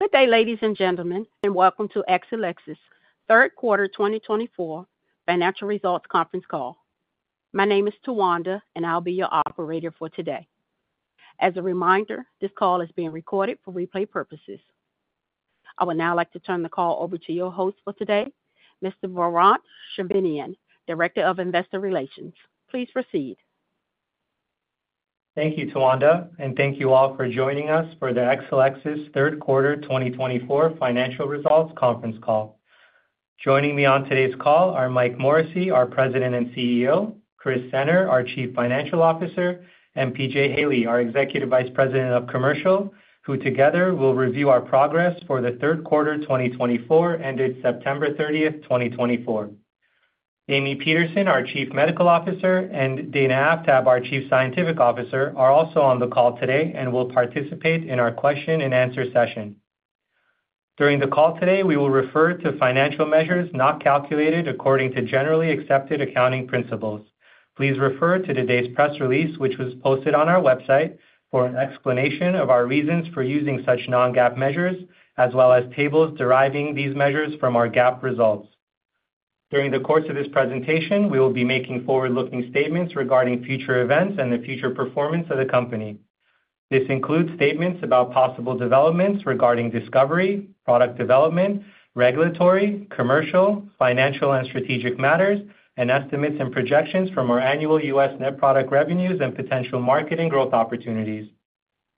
Good day, ladies and gentlemen. And welcome to Exelixis Third Quarter 2024 Financial Results Conference Call. My name is Tawanda, and I'll be your operator for today. As a reminder, this call is being recorded for replay purposes. I would now like to turn the call over to your host for today, Mr. Varant Shirvanian, Director of Investor Relations. Please proceed. Thank you, Tawanda, and thank you all for joining us for the Exelixis Third Quarter 2024 Financial Results Conference Call. Joining me on today's call are Mike Morrissey, our President and CEO, Chris Senner, our Chief Financial Officer, and P.J. Haley, our Executive Vice President of Commercial, who together will review our progress for the Third Quarter 2024 ended September 30, 2024. Amy Peterson, our Chief Medical Officer, and Dana Aftab, our Chief Scientific Officer, are also on the call today and will participate in our question-and-answer session. During the call today, we will refer to financial measures not calculated according to generally accepted accounting principles. Please refer to today's press release, which was posted on our website, for an explanation of our reasons for using such non-GAAP measures, as well as tables deriving these measures from our GAAP results. During the course of this presentation, we will be making forward-looking statements regarding future events and the future performance of the company. This includes statements about possible developments regarding discovery, product development, regulatory, commercial, financial, and strategic matters, and estimates and projections from our annual U.S. net product revenues and potential market and growth opportunities.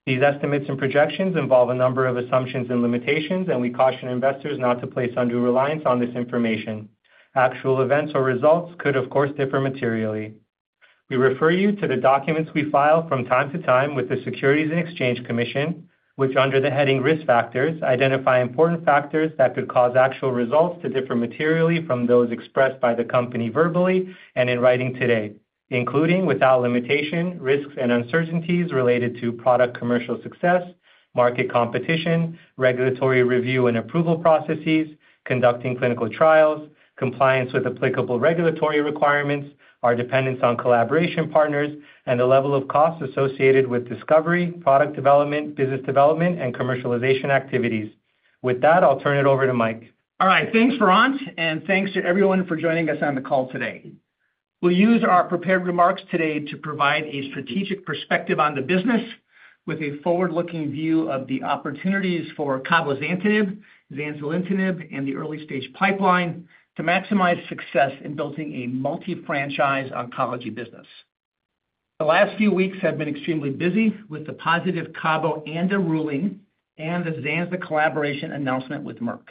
These estimates and projections involve a number of assumptions and limitations, and we caution investors not to place undue reliance on this information. Actual events or results could, of course, differ materially. We refer you to the documents we file from time to time with the Securities and Exchange Commission, which, under the heading Risk Factors, identify important factors that could cause actual results to differ materially from those expressed by the company verbally and in writing today, including without limitation, risks and uncertainties related to product commercial success, market competition, regulatory review and approval processes, conducting clinical trials, compliance with applicable regulatory requirements, our dependence on collaboration partners, and the level of costs associated with discovery, product development, business development, and commercialization activities. With that, I'll turn it over to Mike. All right. Thanks, Varant, and thanks to everyone for joining us on the call today. We'll use our prepared remarks today to provide a strategic perspective on the business with a forward-looking view of the opportunities for cabozantinib, Zanzalintinib, and the early-stage pipeline to maximize success in building a multi-franchise oncology business. The last few weeks have been extremely busy with the positive cabozantinib ANDA ruling and the Zanzalintinib collaboration announcement with Merck.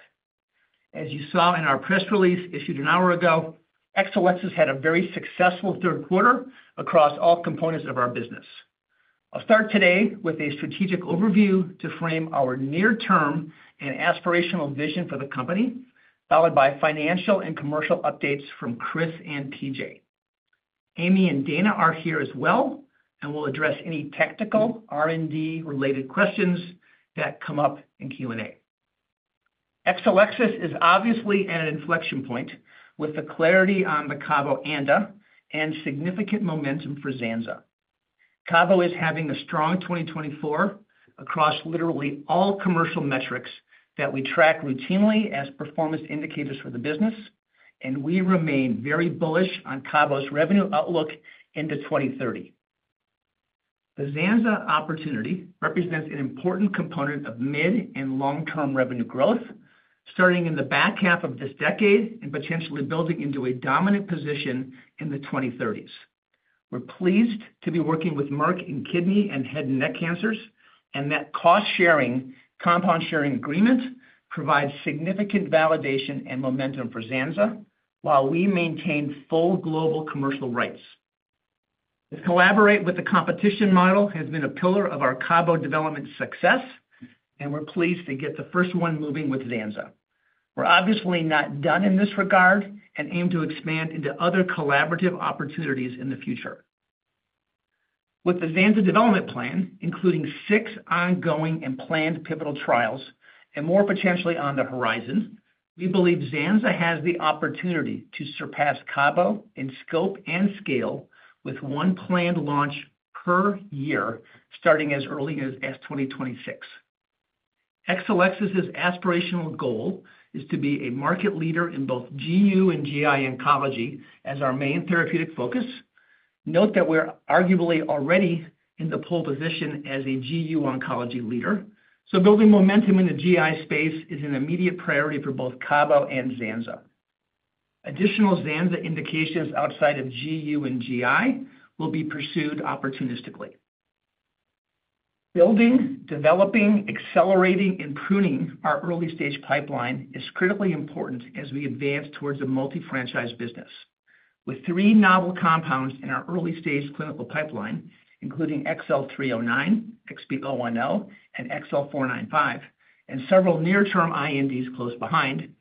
As you saw in our press release issued an hour ago, Exelixis had a very successful third quarter across all components of our business. I'll start today with a strategic overview to frame our near-term and aspirational vision for the company, followed by financial and commercial updates from Chris and P.J. Amy and Dana are here as well, and we'll address any technical R&D-related questions that come up in Q&A. Exelixis is obviously at an inflection point with the clarity on the Cabo ANDA and significant momentum for Zanza. Cabo is having a strong 2024 across literally all commercial metrics that we track routinely as performance indicators for the business, and we remain very bullish on Cabo's revenue outlook into 2030. The Zanza opportunity represents an important component of mid and long-term revenue growth, starting in the back half of this decade and potentially building into a dominant position in the 2030s. We're pleased to be working with Merck in kidney and head and neck cancers, and that cost-sharing, compound sharing agreement provides significant validation and momentum for Zanza while we maintain full global commercial rights. The collaboration with the co-promotion model has been a pillar of our Cabo development success, and we're pleased to get the first one moving with Zanza. We're obviously not done in this regard and aim to expand into other collaborative opportunities in the future. With the Zanza development plan, including six ongoing and planned pivotal trials and more potentially on the horizon, we believe Zanza has the opportunity to surpass Cabo in scope and scale with one planned launch per year, starting as early as 2026. Exelixis's aspirational goal is to be a market leader in both GU and GI oncology as our main therapeutic focus. Note that we're arguably already in the pole position as a GU oncology leader, so building momentum in the GI space is an immediate priority for both Cabo and Zanza. Additional Zanza indications outside of GU and GI will be pursued opportunistically. Building, developing, accelerating, and pruning our early-stage pipeline is critically important as we advance towards a multi-franchise business. With three novel compounds in our early-stage clinical pipeline, including XL309, XB010, and XL495, and several near-term INDs close behind,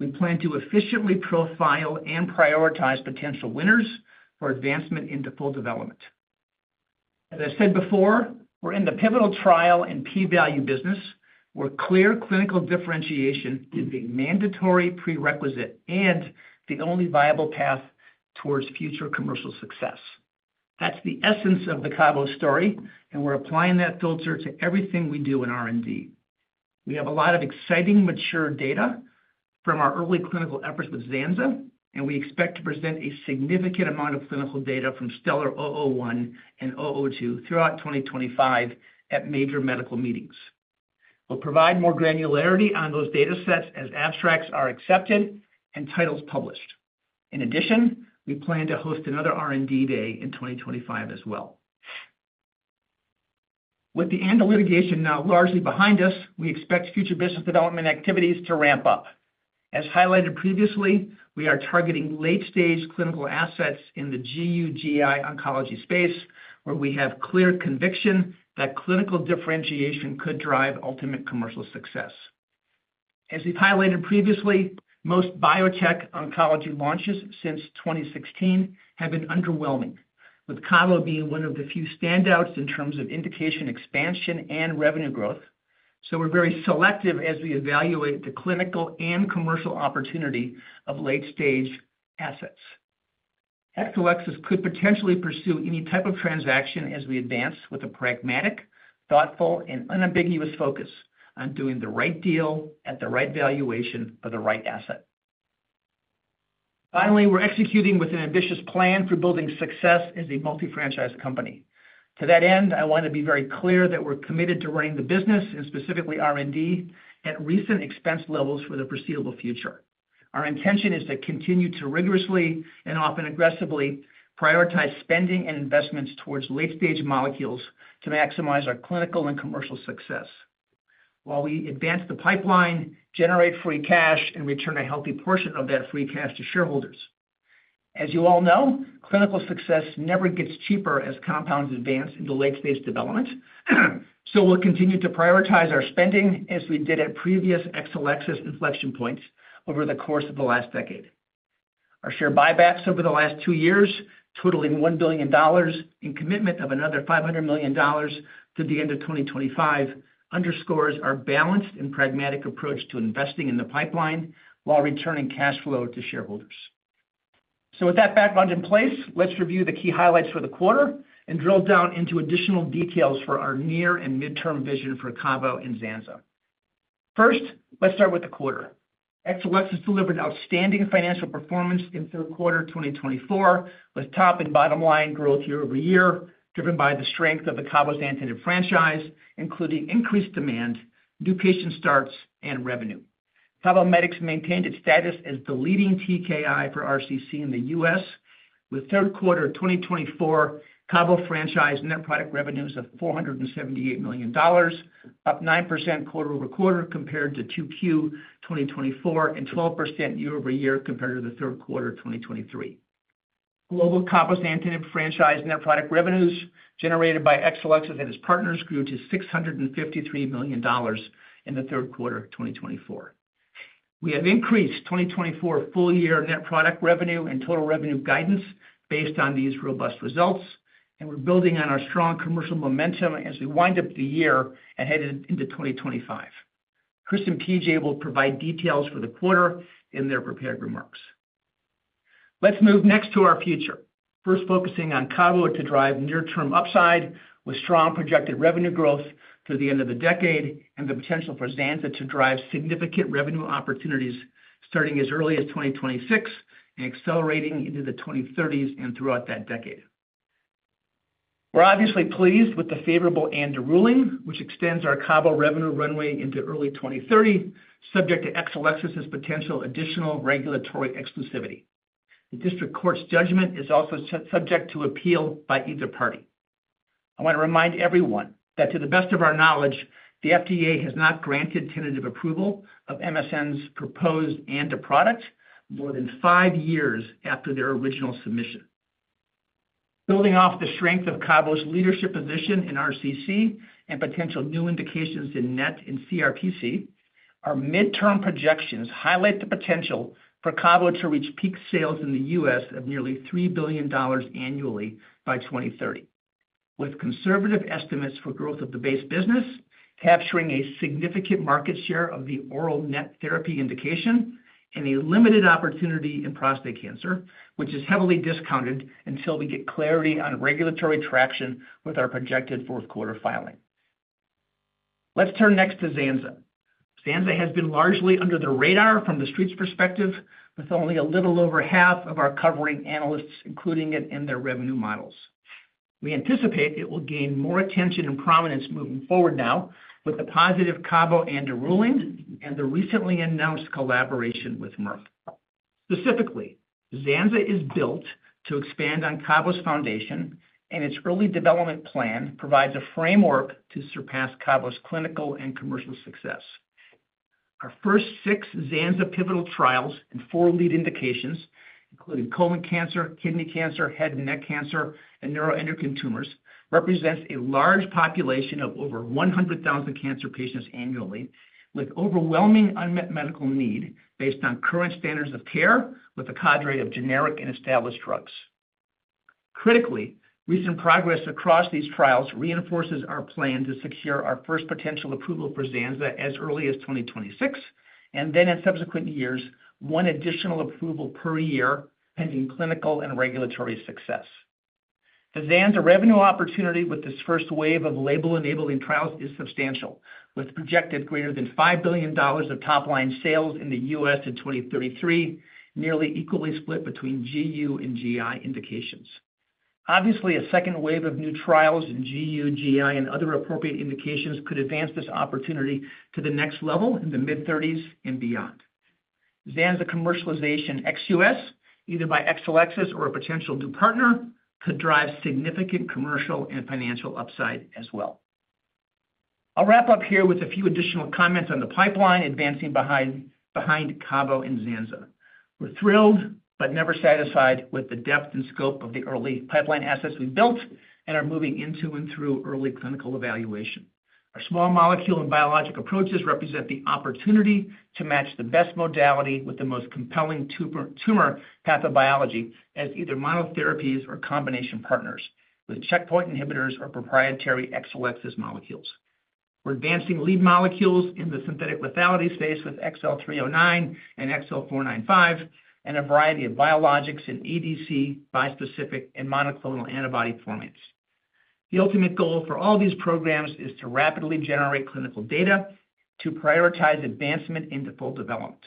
we plan to efficiently profile and prioritize potential winners for advancement into full development. As I said before, we're in the pivotal trial and P-value business where clear clinical differentiation is a mandatory prerequisite and the only viable path towards future commercial success. That's the essence of the Cabo story, and we're applying that filter to everything we do in R&D. We have a lot of exciting mature data from our early clinical efforts with Zanza, and we expect to present a significant amount of clinical data from STELLAR-001 and STELLAR-002 throughout 2025 at major medical meetings. We'll provide more granularity on those data sets as abstracts are accepted and titles published. In addition, we plan to host another R&D day in 2025 as well. With the ANDA litigation now largely behind us, we expect future business development activities to ramp up. As highlighted previously, we are targeting late-stage clinical assets in the GU/GI oncology space, where we have clear conviction that clinical differentiation could drive ultimate commercial success. As we've highlighted previously, most biotech oncology launches since 2016 have been underwhelming, with Cabo being one of the few standouts in terms of indication expansion and revenue growth, so we're very selective as we evaluate the clinical and commercial opportunity of late-stage assets. Exelixis could potentially pursue any type of transaction as we advance with a pragmatic, thoughtful, and unambiguous focus on doing the right deal at the right valuation for the right asset. Finally, we're executing with an ambitious plan for building success as a multi-franchise company. To that end, I want to be very clear that we're committed to running the business, and specifically R&D, at recent expense levels for the foreseeable future. Our intention is to continue to rigorously and often aggressively prioritize spending and investments towards late-stage molecules to maximize our clinical and commercial success while we advance the pipeline, generate free cash, and return a healthy portion of that free cash to shareholders. As you all know, clinical success never gets cheaper as compounds advance into late-stage development, so we'll continue to prioritize our spending as we did at previous Exelixis inflection points over the course of the last decade. Our share buybacks over the last two years, totaling $1 billion and commitment of another $500 million to the end of 2025, underscores our balanced and pragmatic approach to investing in the pipeline while returning cash flow to shareholders. So with that background in place, let's review the key highlights for the quarter and drill down into additional details for our near and midterm vision for Cabo and Zanza. First, let's start with the quarter. Exelixis delivered outstanding financial performance in third quarter 2024 with top and bottom line growth year over year driven by the strength of the cabozantinib franchise, including increased demand, new patient starts, and revenue. Cabometyx maintained its status as the leading TKI for RCC in the U.S. With third quarter 2024, Cabo franchise net product revenues of $478 million, up 9% quarter-over-quarter compared to Q2 2024 and 12% year-over-year compared to the third quarter 2023. Global cabozantinib franchise net product revenues generated by Exelixis and its partners grew to $653 million in the third quarter 2024. We have increased 2024 full-year net product revenue and total revenue guidance based on these robust results, and we're building on our strong commercial momentum as we wind up the year and head into 2025. Chris and P.J. will provide details for the quarter in their prepared remarks. Let's move next to our future, first focusing on Cabo to drive near-term upside with strong projected revenue growth through the end of the decade and the potential for Zanza to drive significant revenue opportunities starting as early as 2026 and accelerating into the 2030s and throughout that decade. We're obviously pleased with the favorable ANDA ruling, which extends our Cabo revenue runway into early 2030, subject to Exelixis's potential additional regulatory exclusivity. The district court's judgment is also subject to appeal by either party. I want to remind everyone that to the best of our knowledge, the FDA has not granted tentative approval of MSN's proposed ANDA product more than five years after their original submission. Building off the strength of Cabo's leadership position in RCC and potential new indications in NET and CRPC, our midterm projections highlight the potential for Cabo to reach peak sales in the U.S. of nearly $3 billion annually by 2030, with conservative estimates for growth of the base business capturing a significant market share of the oral NET therapy indication and a limited opportunity in prostate cancer, which is heavily discounted until we get clarity on regulatory traction with our projected fourth quarter filing. Let's turn next to Zanza. Zanza has been largely under the radar from the Street's perspective, with only a little over half of our covering analysts including it in their revenue models. We anticipate it will gain more attention and prominence moving forward now with the positive Cabo ANDA ruling and the recently announced collaboration with Merck. Specifically, Zanza is built to expand on Cabo's foundation, and its early development plan provides a framework to surpass Cabo's clinical and commercial success. Our first six Zanza pivotal trials and four lead indications, including colon cancer, kidney cancer, head and neck cancer, and neuroendocrine tumors, represent a large population of over 100,000 cancer patients annually, with overwhelming unmet medical need based on current standards of care with a cadre of generic and established drugs. Critically, recent progress across these trials reinforces our plan to secure our first potential approval for Zanza as early as 2026, and then in subsequent years, one additional approval per year pending clinical and regulatory success. The Zanza revenue opportunity with this first wave of label-enabling trials is substantial, with projected greater than $5 billion of top-line sales in the U.S. in 2033, nearly equally split between GU and GI indications. Obviously, a second wave of new trials in GU/GI, and other appropriate indications could advance this opportunity to the next level in the mid-30s and beyond. Zanza commercialization ex U.S., either by Exelixis or a potential new partner, could drive significant commercial and financial upside as well. I'll wrap up here with a few additional comments on the pipeline advancing behind Cabo and Zanza. We're thrilled but never satisfied with the depth and scope of the early pipeline assets we've built and are moving into and through early clinical evaluation. Our small molecule and biologic approaches represent the opportunity to match the best modality with the most compelling tumor pathobiology as either monotherapies or combination partners with checkpoint inhibitors or proprietary Exelixis molecules. We're advancing lead molecules in the synthetic lethality space with XL309 and XL495 and a variety of biologics in ADC, bispecific, and monoclonal antibody formats. The ultimate goal for all these programs is to rapidly generate clinical data to prioritize advancement into full development.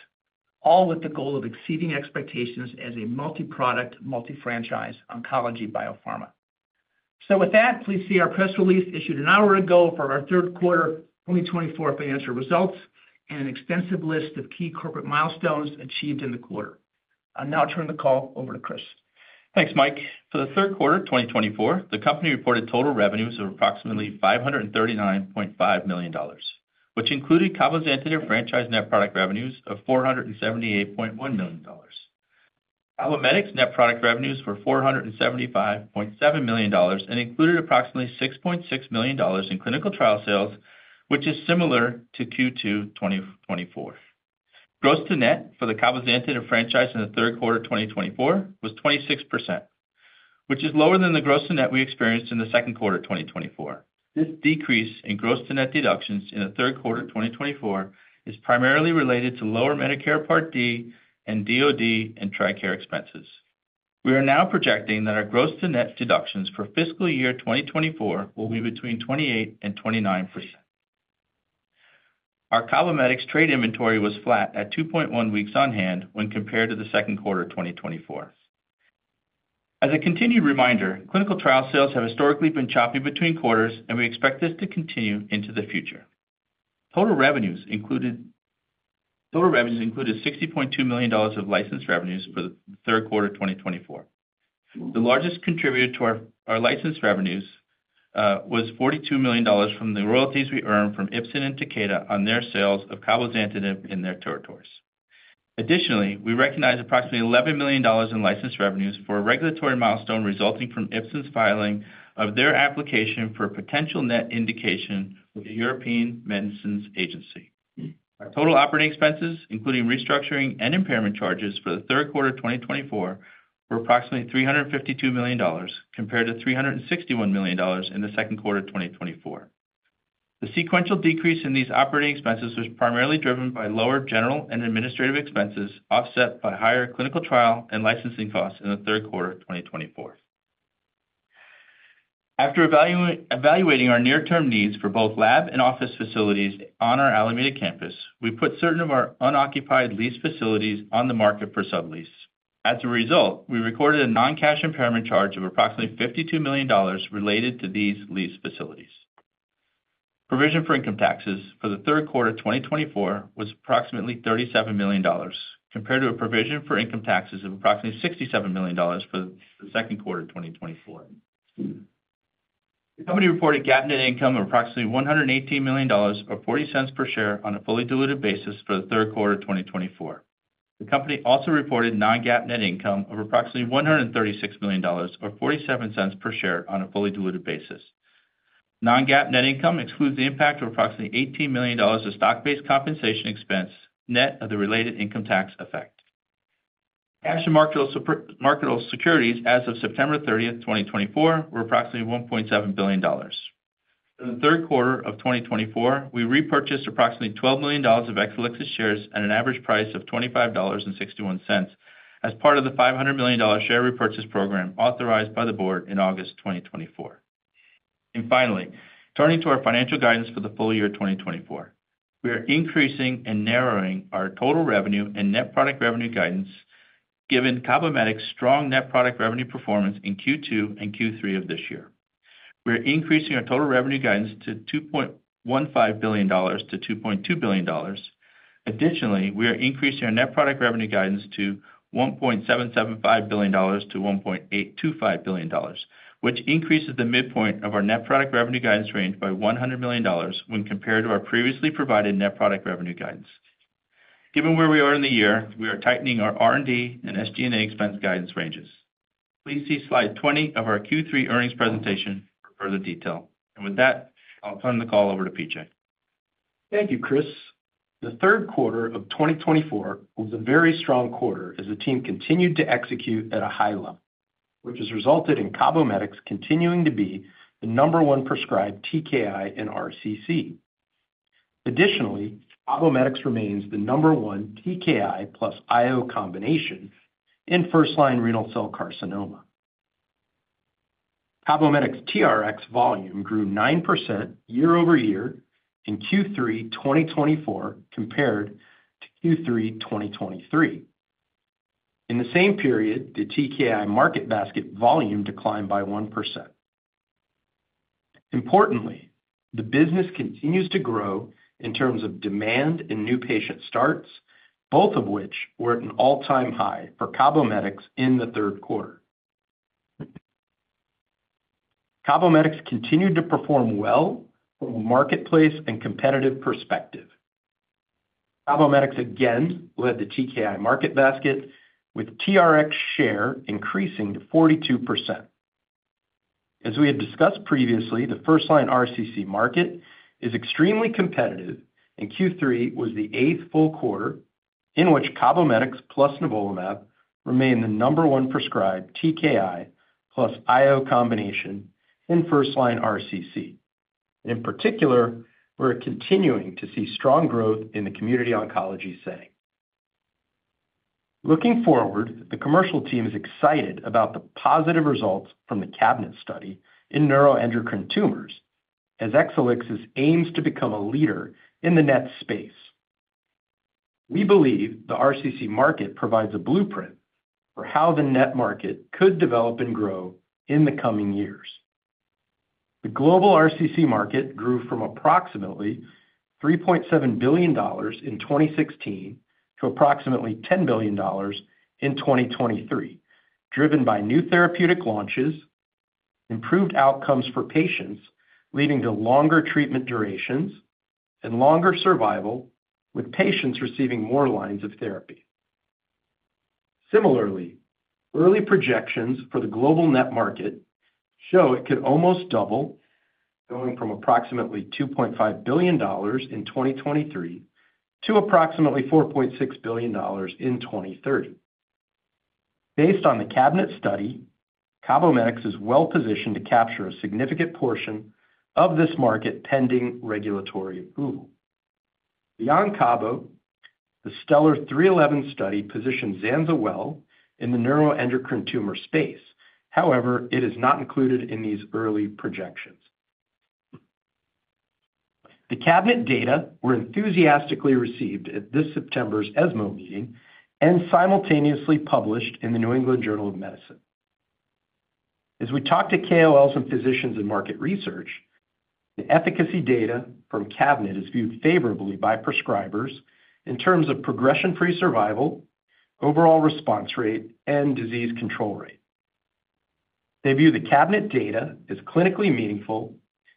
All with the goal of exceeding expectations as a multi-product, multi-franchise oncology biopharma. So with that, please see our press release issued an hour ago for our Third Quarter 2024 financial results and an extensive list of key corporate milestones achieved in the quarter. I'll now turn the call over to Chris. Thanks, Mike. For the third quarter 2024, the company reported total revenues of approximately $539.5 million, which included cabozantinib franchise net product revenues of $478.1 million. Cabometyx net product revenues were $475.7 million and included approximately $6.6 million in clinical trial sales, which is similar to Q2 2024. Gross-to-net for the cabozantinib franchise in the third quarter 2024 was 26%, which is lower than the gross-to-net we experienced in the second quarter 2024. This decrease in gross-to-net deductions in the third quarter 2024 is primarily related to lower Medicare Part D and DOD and TRICARE expenses. We are now projecting that our gross-to-net deductions for fiscal year 2024 will be between 28% and 29%. Our Cabometyx trade inventory was flat at 2.1 weeks on hand when compared to the second quarter 2024. As a continued reminder, clinical trial sales have historically been choppy between quarters, and we expect this to continue into the future. Total revenues included $60.2 million of licensed revenues for the third quarter 2024. The largest contributor to our licensed revenues was $42 million from the royalties we earned from Ipsen and Takeda on their sales of cabozantinib in their territories. Additionally, we recognize approximately $11 million in licensed revenues for a regulatory milestone resulting from Ipsen's filing of their application for potential NET indication with the European Medicines Agency. Our total operating expenses, including restructuring and impairment charges for the third quarter 2024, were approximately $352 million compared to $361 million in the second quarter 2024. The sequential decrease in these operating expenses was primarily driven by lower general and administrative expenses offset by higher clinical trial and licensing costs in the third quarter 2024. After evaluating our near-term needs for both lab and office facilities on our Alameda campus, we put certain of our unoccupied lease facilities on the market for sublease. As a result, we recorded a non-cash impairment charge of approximately $52 million related to these lease facilities. Provision for income taxes for the third quarter 2024 was approximately $37 million compared to a provision for income taxes of approximately $67 million for the second quarter 2024. The company reported GAAP net income of approximately $118 million or $0.40 per share on a fully diluted basis for the third quarter 2024. The company also reported non-GAAP net income of approximately $136 million or $0.47 per share on a fully diluted basis. Non-GAAP net income excludes the impact of approximately $18 million of stock-based compensation expense net of the related income tax effect. Cash and marketable securities as of September 30, 2024, were approximately $1.7 billion. For the third quarter of 2024, we repurchased approximately $12 million of Exelixis shares at an average price of $25.61 as part of the $500 million share repurchase program authorized by the board in August 2024. And finally, turning to our financial guidance for the full year 2024, we are increasing and narrowing our total revenue and net product revenue guidance given Cabometyx's strong net product revenue performance in Q2 and Q3 of this year. We are increasing our total revenue guidance to $2.15 billion-$2.2 billion. Additionally, we are increasing our net product revenue guidance to $1.775 billion-$1.825 billion, which increases the midpoint of our net product revenue guidance range by $100 million when compared to our previously provided net product revenue guidance. Given where we are in the year, we are tightening our R&D and SG&A expense guidance ranges. Please see slide 20 of our Q3 earnings presentation for further detail. And with that, I'll turn the call over to P.J. Thank you, Chris. The third quarter of 2024 was a very strong quarter as the team continued to execute at a high level, which has resulted in Cabometyx continuing to be the number one prescribed TKI in RCC. Additionally, Cabometyx remains the number one TKI plus IO combination in first-line renal cell carcinoma. Cabometyx's TRx volume grew 9% year-over-year in Q3 2024 compared to Q3 2023. In the same period, the TKI market basket volume declined by 1%. Importantly, the business continues to grow in terms of demand and new patient starts, both of which were at an all-time high for Cabometyx in the third quarter. Cabometyx continued to perform well from a marketplace and competitive perspective. Cabometyx again led the TKI market basket, with TRx share increasing to 42%. As we had discussed previously, the first-line RCC market is extremely competitive, and Q3 was the eighth full quarter in which Cabometyx plus nivolumab remained the number one prescribed TKI plus IO combination in first-line RCC. In particular, we're continuing to see strong growth in the community oncology setting. Looking forward, the commercial team is excited about the positive results from the CABINET study in neuroendocrine tumors as Exelixis aims to become a leader in the NET space. We believe the RCC market provides a blueprint for how the NET market could develop and grow in the coming years. The global RCC market grew from approximately $3.7 billion in 2016 to approximately $10 billion in 2023, driven by new therapeutic launches, improved outcomes for patients, leading to longer treatment durations and longer survival, with patients receiving more lines of therapy. Similarly, early projections for the global NET market show it could almost double, going from approximately $2.5 billion in 2023 to approximately $4.6 billion in 2030. Based on the CABINET study, Cabometyx is well positioned to capture a significant portion of this market pending regulatory approval. Beyond Cabo, the STELLAR-311 study positions Zanza well in the neuroendocrine tumor space. However, it is not included in these early projections. The CABINET data were enthusiastically received at this September's ESMO meeting and simultaneously published in the New England Journal of Medicine. As we talk to KOLs and physicians in market research, the efficacy data from CABINET is viewed favorably by prescribers in terms of progression-free survival, overall response rate, and disease control rate. They view the CABINET data as clinically meaningful,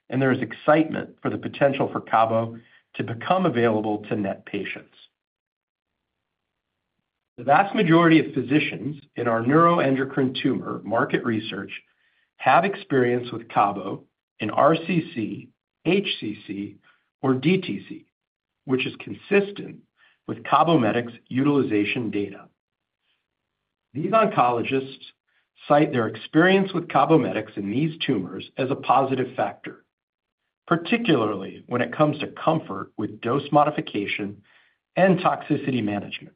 and there is excitement for the potential for Cabo to become available to NET patients. The vast majority of physicians in our neuroendocrine tumor market research have experience with Cabo in RCC, HCC, or DTC, which is consistent with Cabometyx's utilization data. These oncologists cite their experience with Cabometyx in these tumors as a positive factor, particularly when it comes to comfort with dose modification and toxicity management.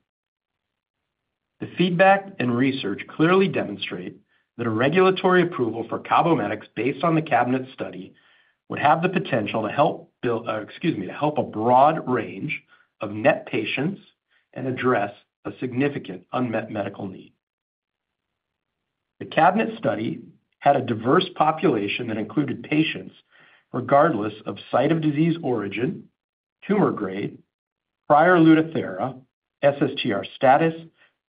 The feedback and research clearly demonstrate that a regulatory approval for Cabometyx based on the CABINET study would have the potential to help build, excuse me, to help a broad range of NET patients and address a significant unmet medical need. The CABINET study had a diverse population that included patients regardless of site of disease origin, tumor grade, prior Lutathera, SSTR status,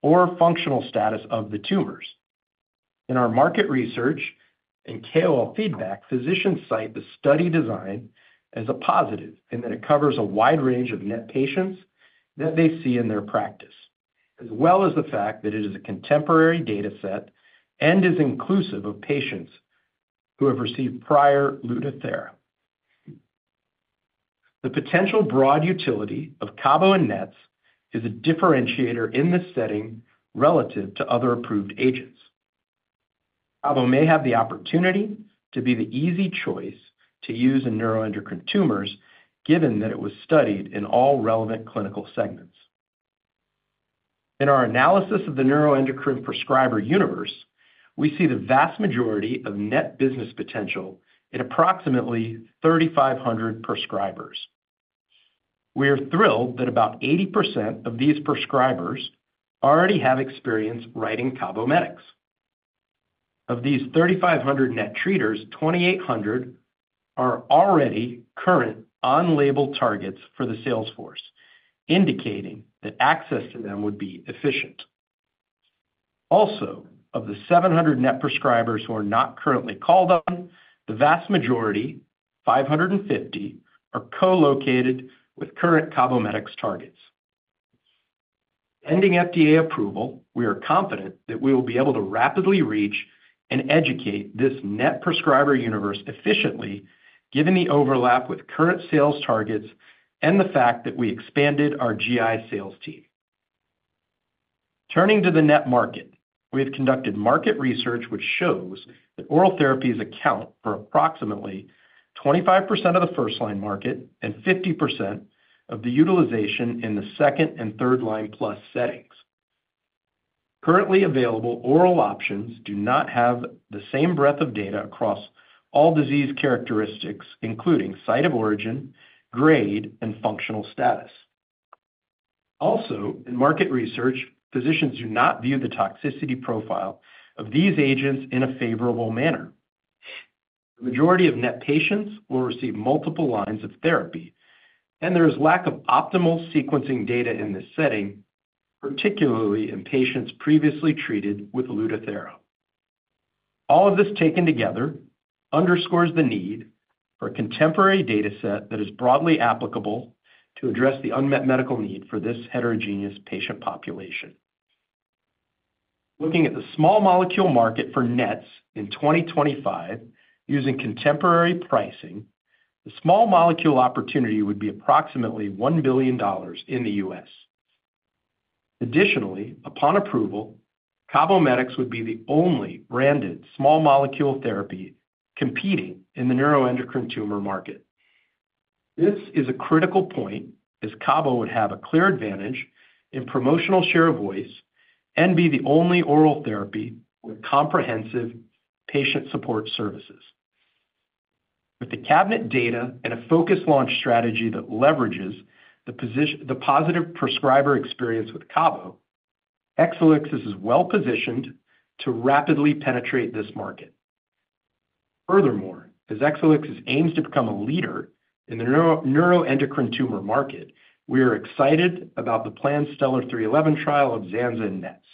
or functional status of the tumors. In our market research and KOL feedback, physicians cite the study design as a positive in that it covers a wide range of NET patients that they see in their practice, as well as the fact that it is a contemporary data set and is inclusive of patients who have received prior Lutathera. The potential broad utility of Cabometyx and NETs is a differentiator in this setting relative to other approved agents. Cabometyx may have the opportunity to be the easy choice to use in neuroendocrine tumors, given that it was studied in all relevant clinical segments. In our analysis of the neuroendocrine prescriber universe, we see the vast majority of net business potential in approximately 3,500 prescribers. We are thrilled that about 80% of these prescribers already have experience writing Cabometyx. Of these 3,500 net treaters, 2,800 are already current on-label targets for the salesforce, indicating that access to them would be efficient. Also, of the 700 net prescribers who are not currently called on, the vast majority, 550, are co-located with current Cabometyx targets. Pending FDA approval, we are confident that we will be able to rapidly reach and educate this net prescriber universe efficiently, given the overlap with current sales targets and the fact that we expanded our GI sales team. Turning to the net market, we have conducted market research which shows that oral therapies account for approximately 25% of the first-line market and 50% of the utilization in the second and third-line plus settings. Currently available oral options do not have the same breadth of data across all disease characteristics, including site of origin, grade, and functional status. Also, in market research, physicians do not view the toxicity profile of these agents in a favorable manner. The majority of net patients will receive multiple lines of therapy, and there is lack of optimal sequencing data in this setting, particularly in patients previously treated with Lutathera. All of this taken together underscores the need for a contemporary data set that is broadly applicable to address the unmet medical need for this heterogeneous patient population. Looking at the small molecule market for NETs in 2025, using contemporary pricing, the small molecule opportunity would be approximately $1 billion in the U.S.. Additionally, upon approval, Cabometyx would be the only branded small molecule therapy competing in the neuroendocrine tumor market. This is a critical point as Cabo would have a clear advantage in promotional share of voice and be the only oral therapy with comprehensive patient support services. With the CABINET data and a focused launch strategy that leverages the positive prescriber experience with Cabo, Exelixis is well positioned to rapidly penetrate this market. Furthermore, as Exelixis aims to become a leader in the neuroendocrine tumor market, we are excited about the planned STELLAR-311 trial of Zanza and NETs.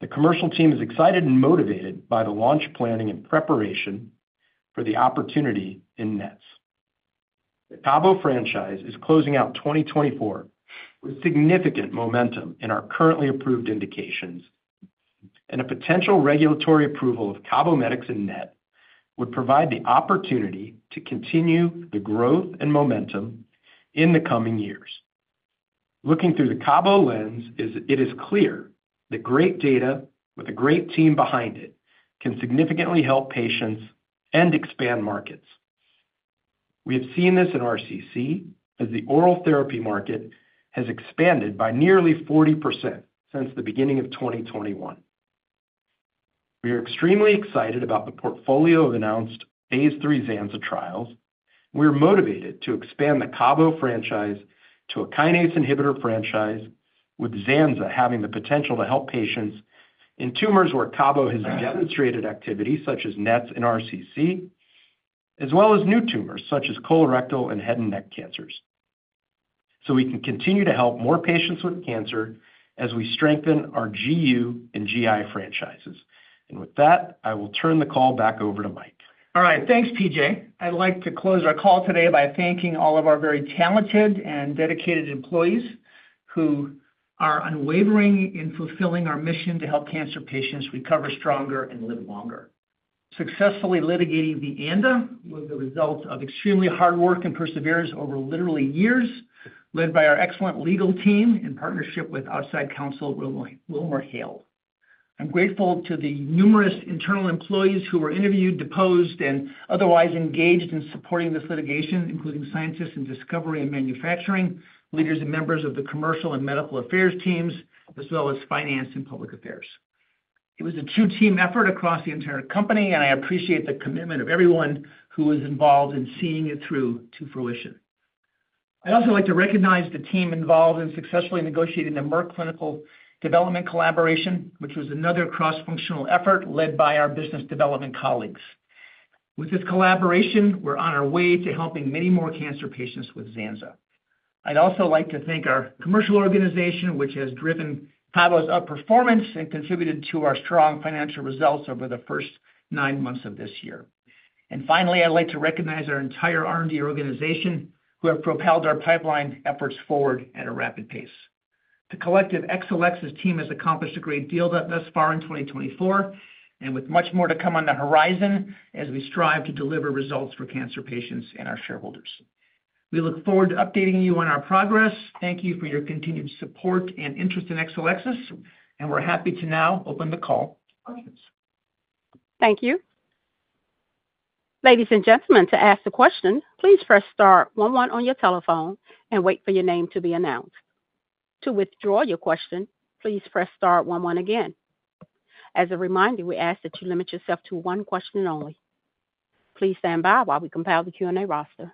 The commercial team is excited and motivated by the launch planning and preparation for the opportunity in NETs. The Cabo franchise is closing out 2024 with significant momentum in our currently approved indications, and a potential regulatory approval of Cabometyx in NET would provide the opportunity to continue the growth and momentum in the coming years. Looking through the Cabo lens, it is clear that great data with a great team behind it can significantly help patients and expand markets. We have seen this in RCC as the oral therapy market has expanded by nearly 40% since the beginning of 2021. We are extremely excited about the portfolio of announced phase three Zanza trials. We are motivated to expand the Cabo franchise to a kinase inhibitor franchise, with Zanza having the potential to help patients in tumors where Cabo has demonstrated activity, such as NETs and RCC, as well as new tumors such as colorectal and head and neck cancers. So we can continue to help more patients with cancer as we strengthen our GU and GI franchises. And with that, I will turn the call back over to Mike. All right. Thanks, P.J. I'd like to close our call today by thanking all of our very talented and dedicated employees who are unwavering in fulfilling our mission to help cancer patients recover stronger and live longer. Successfully litigating the ANDA was the result of extremely hard work and perseverance over literally years, led by our excellent legal team in partnership with outside counsel WilmerHale. I'm grateful to the numerous internal employees who were interviewed, deposed, and otherwise engaged in supporting this litigation, including scientists in discovery and manufacturing, leaders and members of the commercial and medical affairs teams, as well as finance and public affairs. It was a two-team effort across the entire company, and I appreciate the commitment of everyone who was involved in seeing it through to fruition. I'd also like to recognize the team involved in successfully negotiating the Merck Clinical Development Collaboration, which was another cross-functional effort led by our business development colleagues. With this collaboration, we're on our way to helping many more cancer patients with Zanza. I'd also like to thank our commercial organization, which has driven Cabo's upper performance and contributed to our strong financial results over the first nine months of this year. And finally, I'd like to recognize our entire R&D organization who have propelled our pipeline efforts forward at a rapid pace. The collective Exelixis team has accomplished a great deal thus far in 2024, and with much more to come on the horizon as we strive to deliver results for cancer patients and our shareholders. We look forward to updating you on our progress. Thank you for your continued support and interest in Exelixis, and we're happy to now open the call for questions. Thank you. Ladies and gentlemen, to ask a question, please press star one one on your telephone and wait for your name to be announced. To withdraw your question, please press star one one again. As a reminder, we ask that you limit yourself to one question only. Please stand by while we compile the Q&A roster.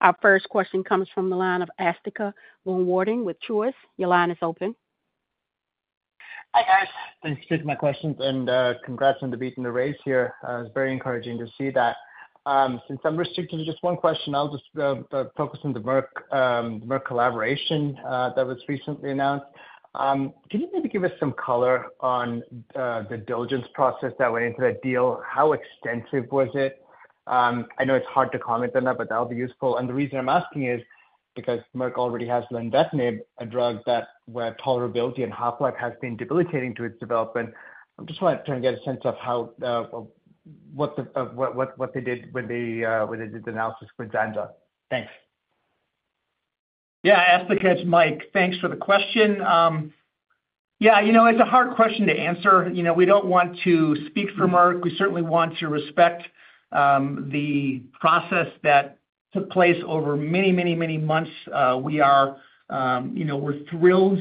Our first question comes from the line of Asthika Goonewardene with Truist Securities. Your line is open. Hi, guys. Thanks for taking my questions, and congrats on the beat in the race here. It's very encouraging to see that. Since I'm restricted to just one question, I'll just focus on the Merck collaboration that was recently announced. Can you maybe give us some color on the diligence process that went into that deal? How extensive was it? I know it's hard to comment on that, but that'll be useful. And the reason I'm asking is because Merck already has Lenvima, a drug where tolerability and half-life has been debilitating to its development. I just wanted to try and get a sense of what they did when they did the analysis with Zanza. Thanks. Yeah, Asthika, it's Mike. Thanks for the question. Yeah, you know it's a hard question to answer. You know we don't want to speak for Merck. We certainly want to respect the process that took place over many, many, many months. We are thrilled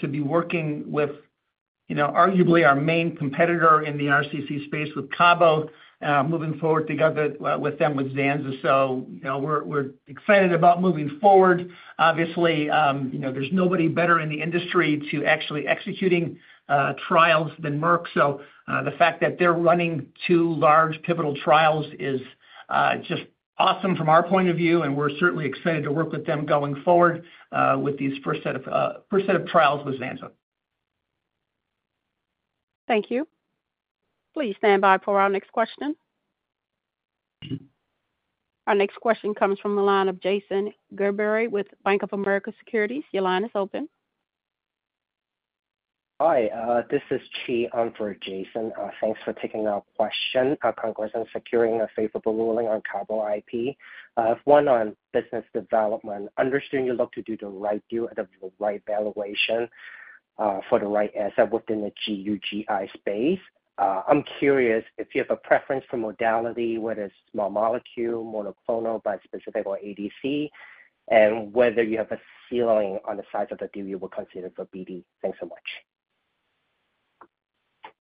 to be working with, arguably, our main competitor in the RCC space with Cabo, moving forward together with them with Zanza. So we're excited about moving forward. Obviously, there's nobody better in the industry to actually executing trials than Merck. So the fact that they're running two large pivotal trials is just awesome from our point of view, and we're certainly excited to work with them going forward with this first set of trials with Zanza. Thank you. Please stand by for our next question. Our next question comes from the line of Jason Gerbery with Bank of America Securities. Your line is open. Hi, this is Chi on for Jason. Thanks for taking our question. Question on securing a favorable ruling on Cabo IP. One on business development. Understand you look to do the right deal out of the right valuation for the right asset within the GU/GI space. I'm curious if you have a preference for modality, whether it's small molecule, monoclonal, bispecific, or ADC, and whether you have a ceiling on the size of the deal you would consider for BD. Thanks so much.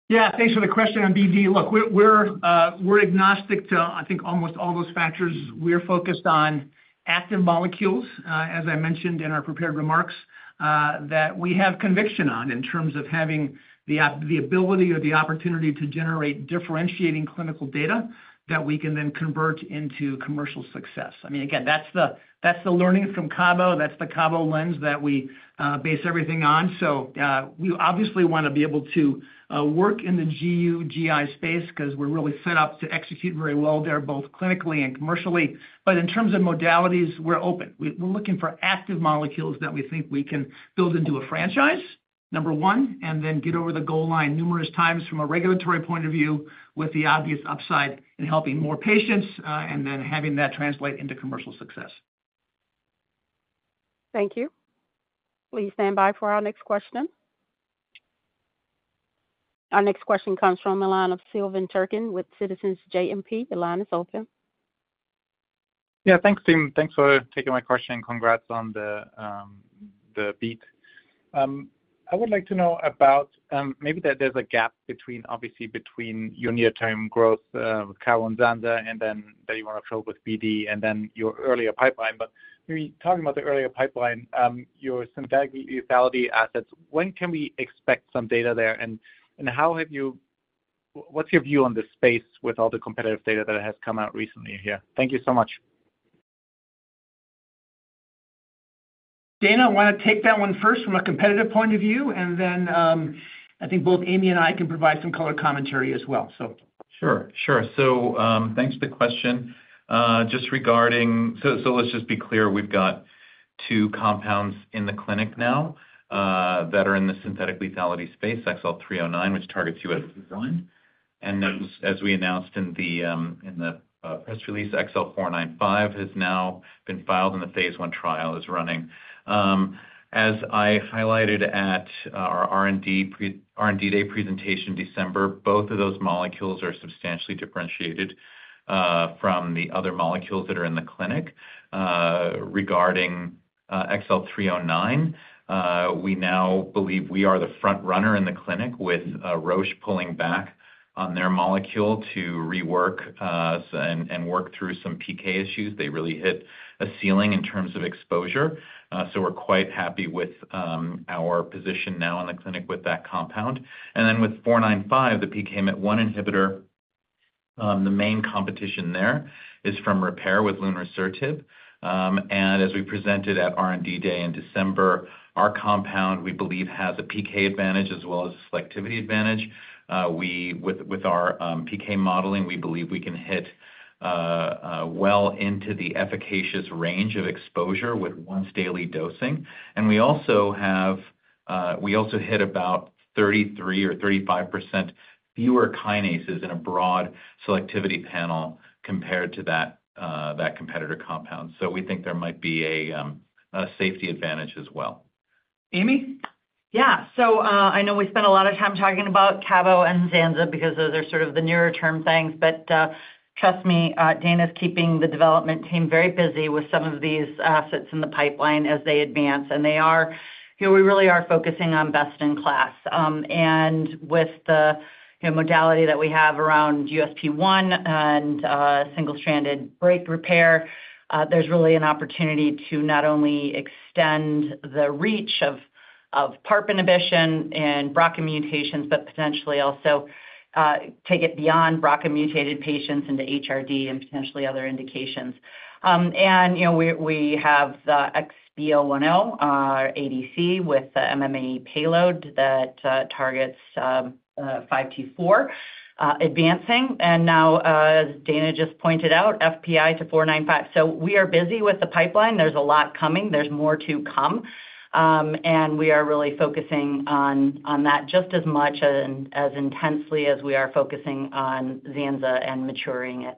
Yeah, thanks for the question on BD. Look, we're agnostic to, I think, almost all those factors. We're focused on active molecules, as I mentioned in our prepared remarks, that we have conviction on in terms of having the ability or the opportunity to generate differentiating clinical data that we can then convert into commercial success. I mean, again, that's the learning from Cabo. That's the Cabo lens that we base everything on. So we obviously want to be able to work in the GU/GI space because we're really set up to execute very well there, both clinically and commercially. But in terms of modalities, we're open. We're looking for active molecules that we think we can build into a franchise, number one, and then get over the goal line numerous times from a regulatory point of view with the obvious upside in helping more patients and then having that translate into commercial success. Thank you. Please stand by for our next question. Our next question comes from the line of Silvan Tuerkcan with Citizens JMP. The line is open. Yeah, thanks, team. Thanks for taking my question. Congrats on the beat. I would like to know about maybe that there's a gap between, obviously, between your near-term growth with Cabo and Zanza and then that you want to fill with BD and then your earlier pipeline. But maybe talking about the earlier pipeline, your synthetic lethality assets, when can we expect some data there? And how have you—what's your view on the space with all the competitive data that has come out recently here? Thank you so much. Dana, I want to take that one first from a competitive point of view, and then I think both Amy and I can provide some color commentary as well, so. Sure, sure. So thanks for the question. Just regarding—so let's just be clear. We've got two compounds in the clinic now that are in the synthetic lethality space, XL309, which targets USP1. As we announced in the press release, XL495 has now been filed in the phase 1 trial and is running. As I highlighted at our R&D Day presentation in December, both of those molecules are substantially differentiated from the other molecules that are in the clinic. Regarding XL309, we now believe we are the front runner in the clinic with Roche pulling back on their molecule to rework and work through some PK issues. They really hit a ceiling in terms of exposure. We're quite happy with our position now in the clinic with that compound. Then with 495, the PKMYT1 inhibitor, the main competition there is from Repare with lunresertib. As we presented at R&D Day in December, our compound, we believe, has a PK advantage as well as a selectivity advantage. With our PK modeling, we believe we can hit well into the efficacious range of exposure with once-daily dosing. And we also have—we also hit about 33 or 35% fewer kinases in a broad selectivity panel compared to that competitor compound. So we think there might be a safety advantage as well. Amy? Yeah. So I know we spent a lot of time talking about Cabo and Zanza because those are sort of the nearer-term things. But trust me, Dana's keeping the development team very busy with some of these assets in the pipeline as they advance. And they are—we really are focusing on best in class. With the modality that we have around USP1 and single-stranded break repair, there's really an opportunity to not only extend the reach of PARP inhibition and BRCA mutations, but potentially also take it beyond BRCA-mutated patients into HRD and potentially other indications. We have the XB010, ADC with MMAE payload that targets 5T4 advancing. Now, as Dana just pointed out, FPI to XL495. We are busy with the pipeline. There's a lot coming. There's more to come. We are really focusing on that just as much and as intensely as we are focusing on Zanza and maturing it.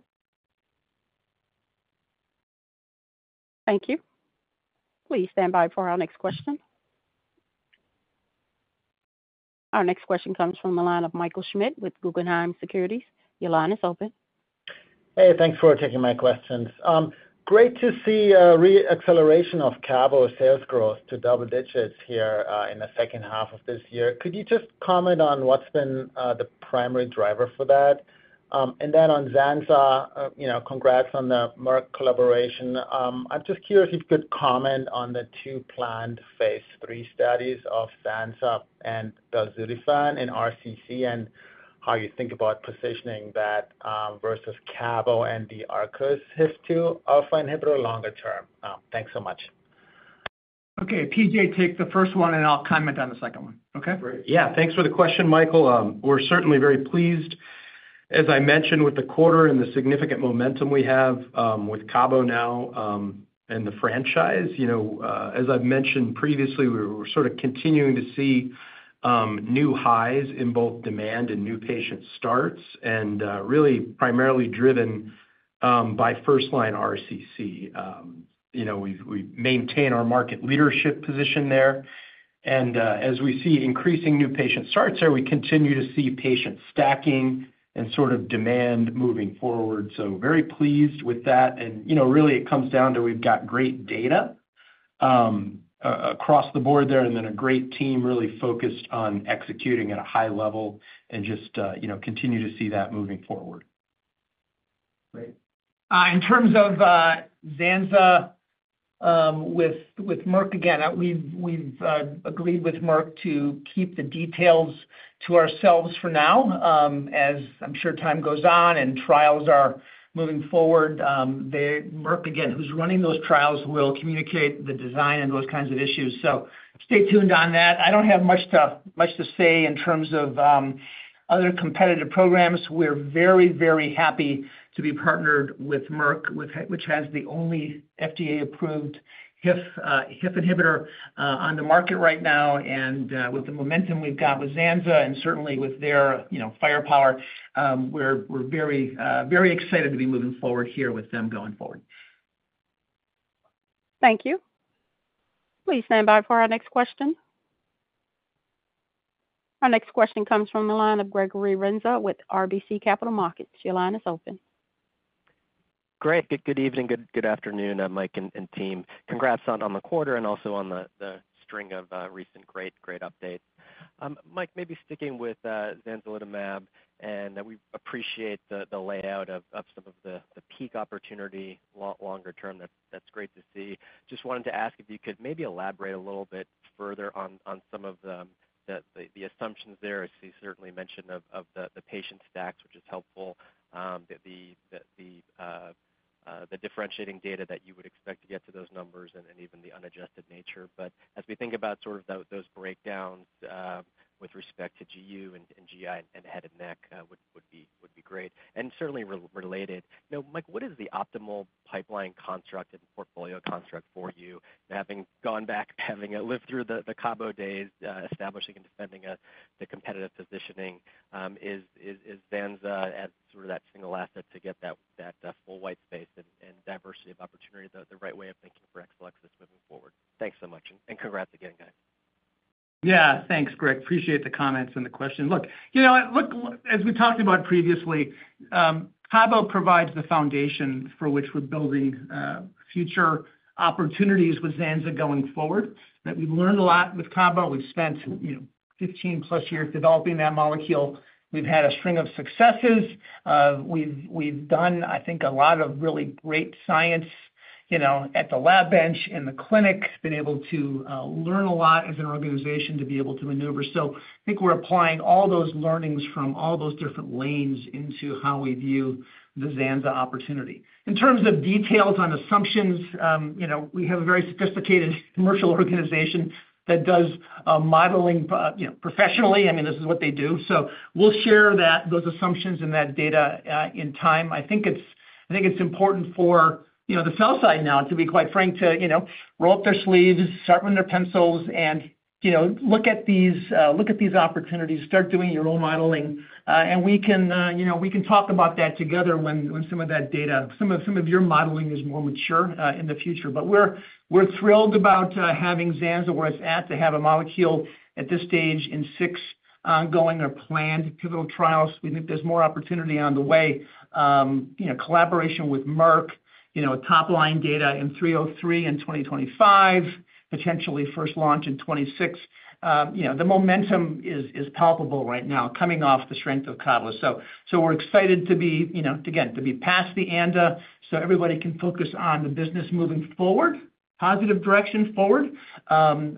Thank you. Please stand by for our next question. Our next question comes from the line of Michael Schmidt with Guggenheim Securities. Your line is open. Hey, thanks for taking my questions. Great to see re-acceleration of Cabo sales growth to double digits here in the second half of this year. Could you just comment on what's been the primary driver for that? And then on Zanza, congrats on the Merck collaboration. I'm just curious if you could comment on the two planned phase three studies of Zanza and belzutifan in RCC and how you think about positioning that versus Cabo and the Arcus's HIF-2a inhibitor longer term. Thanks so much. Okay, P.J., take the first one, and I'll comment on the second one. Okay? Yeah, thanks for the question, Michael. We're certainly very pleased. As I mentioned, with the quarter and the significant momentum we have with Cabo now and the franchise, as I've mentioned previously, we're sort of continuing to see new highs in both demand and new patient starts, and really primarily driven by first-line RCC. We maintain our market leadership position there, and as we see increasing new patient starts there, we continue to see patient stacking and sort of demand moving forward, so very pleased with that, and really, it comes down to we've got great data across the board there and then a great team really focused on executing at a high level and just continue to see that moving forward. Great. In terms of Zanza with Merck, again, we've agreed with Merck to keep the details to ourselves for now. As I'm sure time goes on and trials are moving forward, Merck, again, who's running those trials, will communicate the design and those kinds of issues, so stay tuned on that. I don't have much to say in terms of other competitive programs. We're very, very happy to be partnered with Merck, which has the only FDA-approved HIF inhibitor on the market right now, and with the momentum we've got with Zanzalintinib and certainly with their firepower, we're very, very excited to be moving forward here with them going forward. Thank you. Please stand by for our next question. Our next question comes from the line of Gregory Renza with RBC Capital Markets. Your line is open. Great. Good evening, good afternoon, Mike and team. Congrats on the quarter and also on the string of recent great updates. Mike, maybe sticking with Zanzalintinib, and we appreciate the layout of some of the peak opportunity longer term. That's great to see. Just wanted to ask if you could maybe elaborate a little bit further on some of the assumptions there. I see certainly mention of the patient stacks, which is helpful, the differentiating data that you would expect to get to those numbers, and even the unadjusted nature. But as we think about sort of those breakdowns with respect to GU and GI and head and neck, [that] would be great. And certainly related. Mike, what is the optimal pipeline construct and portfolio construct for you? Having gone back, having lived through the Cabo days, establishing and defending the competitive positioning, is Zanza sort of that single asset to get that full white space and diversity of opportunity, the right way of thinking for Exelixis moving forward? Thanks so much. And congrats again, guys. Yeah, thanks, Greg. Appreciate the comments and the questions. Look, as we talked about previously, Cabo provides the foundation for which we're building future opportunities with Zanza going forward. We've learned a lot with Cabo. We've spent 15-plus years developing that molecule. We've had a string of successes. We've done, I think, a lot of really great science at the lab bench, in the clinic, been able to learn a lot as an organization to be able to maneuver. So I think we're applying all those learnings from all those different lanes into how we view the Zanza opportunity. In terms of details on assumptions, we have a very sophisticated commercial organization that does modeling professionally. I mean, this is what they do. So we'll share those assumptions and that data in time. I think it's important for the sell side now, to be quite frank, to roll up their sleeves, start with their pencils, and look at these opportunities, start doing your roll modeling. And we can talk about that together when some of that data, some of your modeling is more mature in the future. But we're thrilled about having Zanza where it's at to have a molecule at this stage in six ongoing or planned pivotal trials. We think there's more opportunity on the way. Collaboration with Merck, top-line data in 303 in 2025, potentially first launch in 2026. The momentum is palpable right now coming off the strength of Cabo. So we're excited to be, again, to be past the ANDA so everybody can focus on the business moving forward, positive direction forward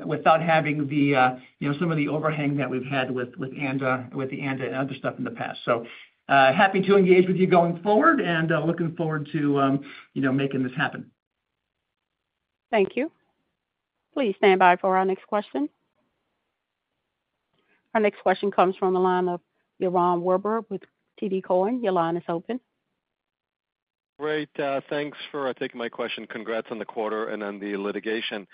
without having some of the overhang that we've had with the ANDA and other stuff in the past. So happy to engage with you going forward and looking forward to making this happen. Thank you. Please stand by for our next question. Our next question comes from the line of Yaron Werber with TD Cowen. Your line is open. Great. Thanks for taking my question. Congrats on the quarter and then the litigation.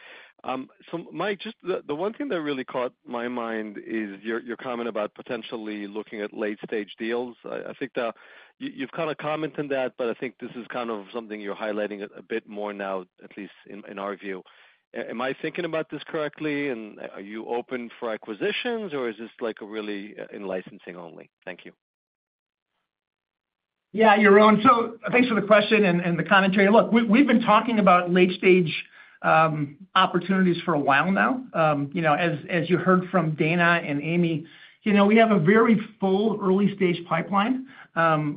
So Mike, just the one thing that really caught my mind is your comment about potentially looking at late-stage deals. I think you've kind of commented on that, but I think this is kind of something you're highlighting a bit more now, at least in our view. Am I thinking about this correctly? And are you open for acquisitions, or is this like a really in licensing only? Thank you. Yeah, you're on. So thanks for the question and the commentary. Look, we've been talking about late-stage opportunities for a while now. As you heard from Dana and Amy, we have a very full early-stage pipeline.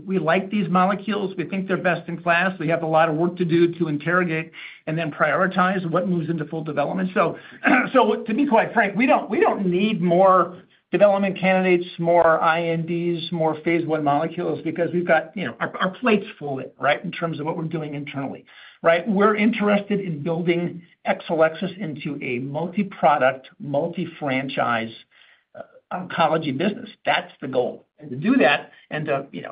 We like these molecules. We think they're best in class. We have a lot of work to do to interrogate and then prioritize what moves into full development. So to be quite frank, we don't need more development candidates, more INDs, more phase one molecules because we've got our plates full, right, in terms of what we're doing internally. We're interested in building Exelixis into a multi-product, multi-franchise oncology business. That's the goal. And to do that, and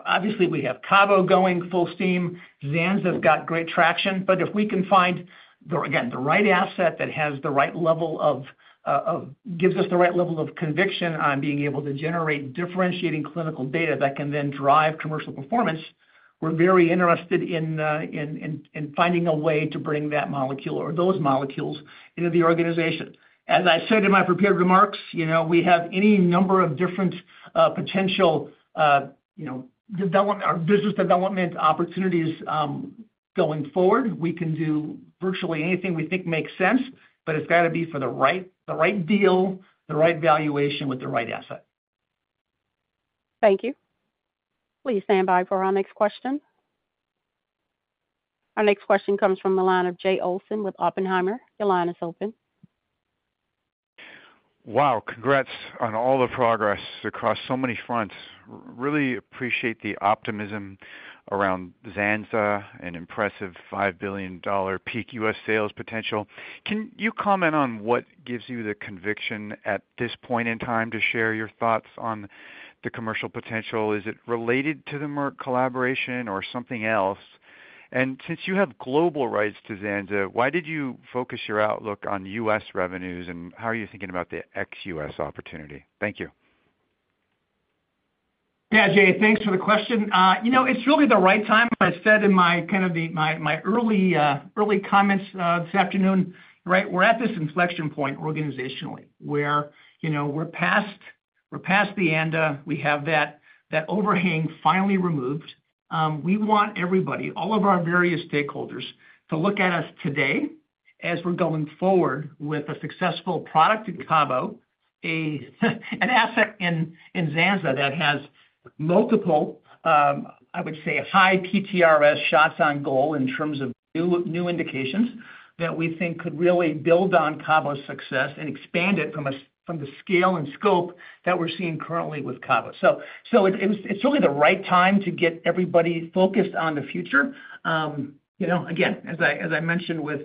obviously, we have Cabo going full steam. Zanza's got great traction. But if we can find, again, the right asset that has the right level of gives us the right level of conviction on being able to generate differentiating clinical data that can then drive commercial performance, we're very interested in finding a way to bring that molecule or those molecules into the organization. As I said in my prepared remarks, we have any number of different potential development or business development opportunities going forward. We can do virtually anything we think makes sense, but it's got to be for the right deal, the right valuation with the right asset. Thank you. Please stand by for our next question. Our next question comes from the line of Jay Olson with Oppenheimer. Your line is open. Wow, congrats on all the progress across so many fronts. Really appreciate the optimism around Zanza and impressive $5 billion peak U.S. sales potential. Can you comment on what gives you the conviction at this point in time to share your thoughts on the commercial potential? Is it related to the Merck collaboration or something else? And since you have global rights to Zanza, why did you focus your outlook on U.S. revenues, and how are you thinking about the ex-U.S. opportunity? Thank you. Yeah, Jay, thanks for the question. It's really the right time. I said in my kind of my early comments this afternoon, right, we're at this inflection point organizationally where we're past the ANDA. We have that overhang finally removed. We want everybody, all of our various stakeholders, to look at us today as we're going forward with a successful product in Cabo, an asset in Zanza that has multiple, I would say, high PTRS shots on goal in terms of new indications that we think could really build on Cabo's success and expand it from the scale and scope that we're seeing currently with Cabo. So it's really the right time to get everybody focused on the future. Again, as I mentioned with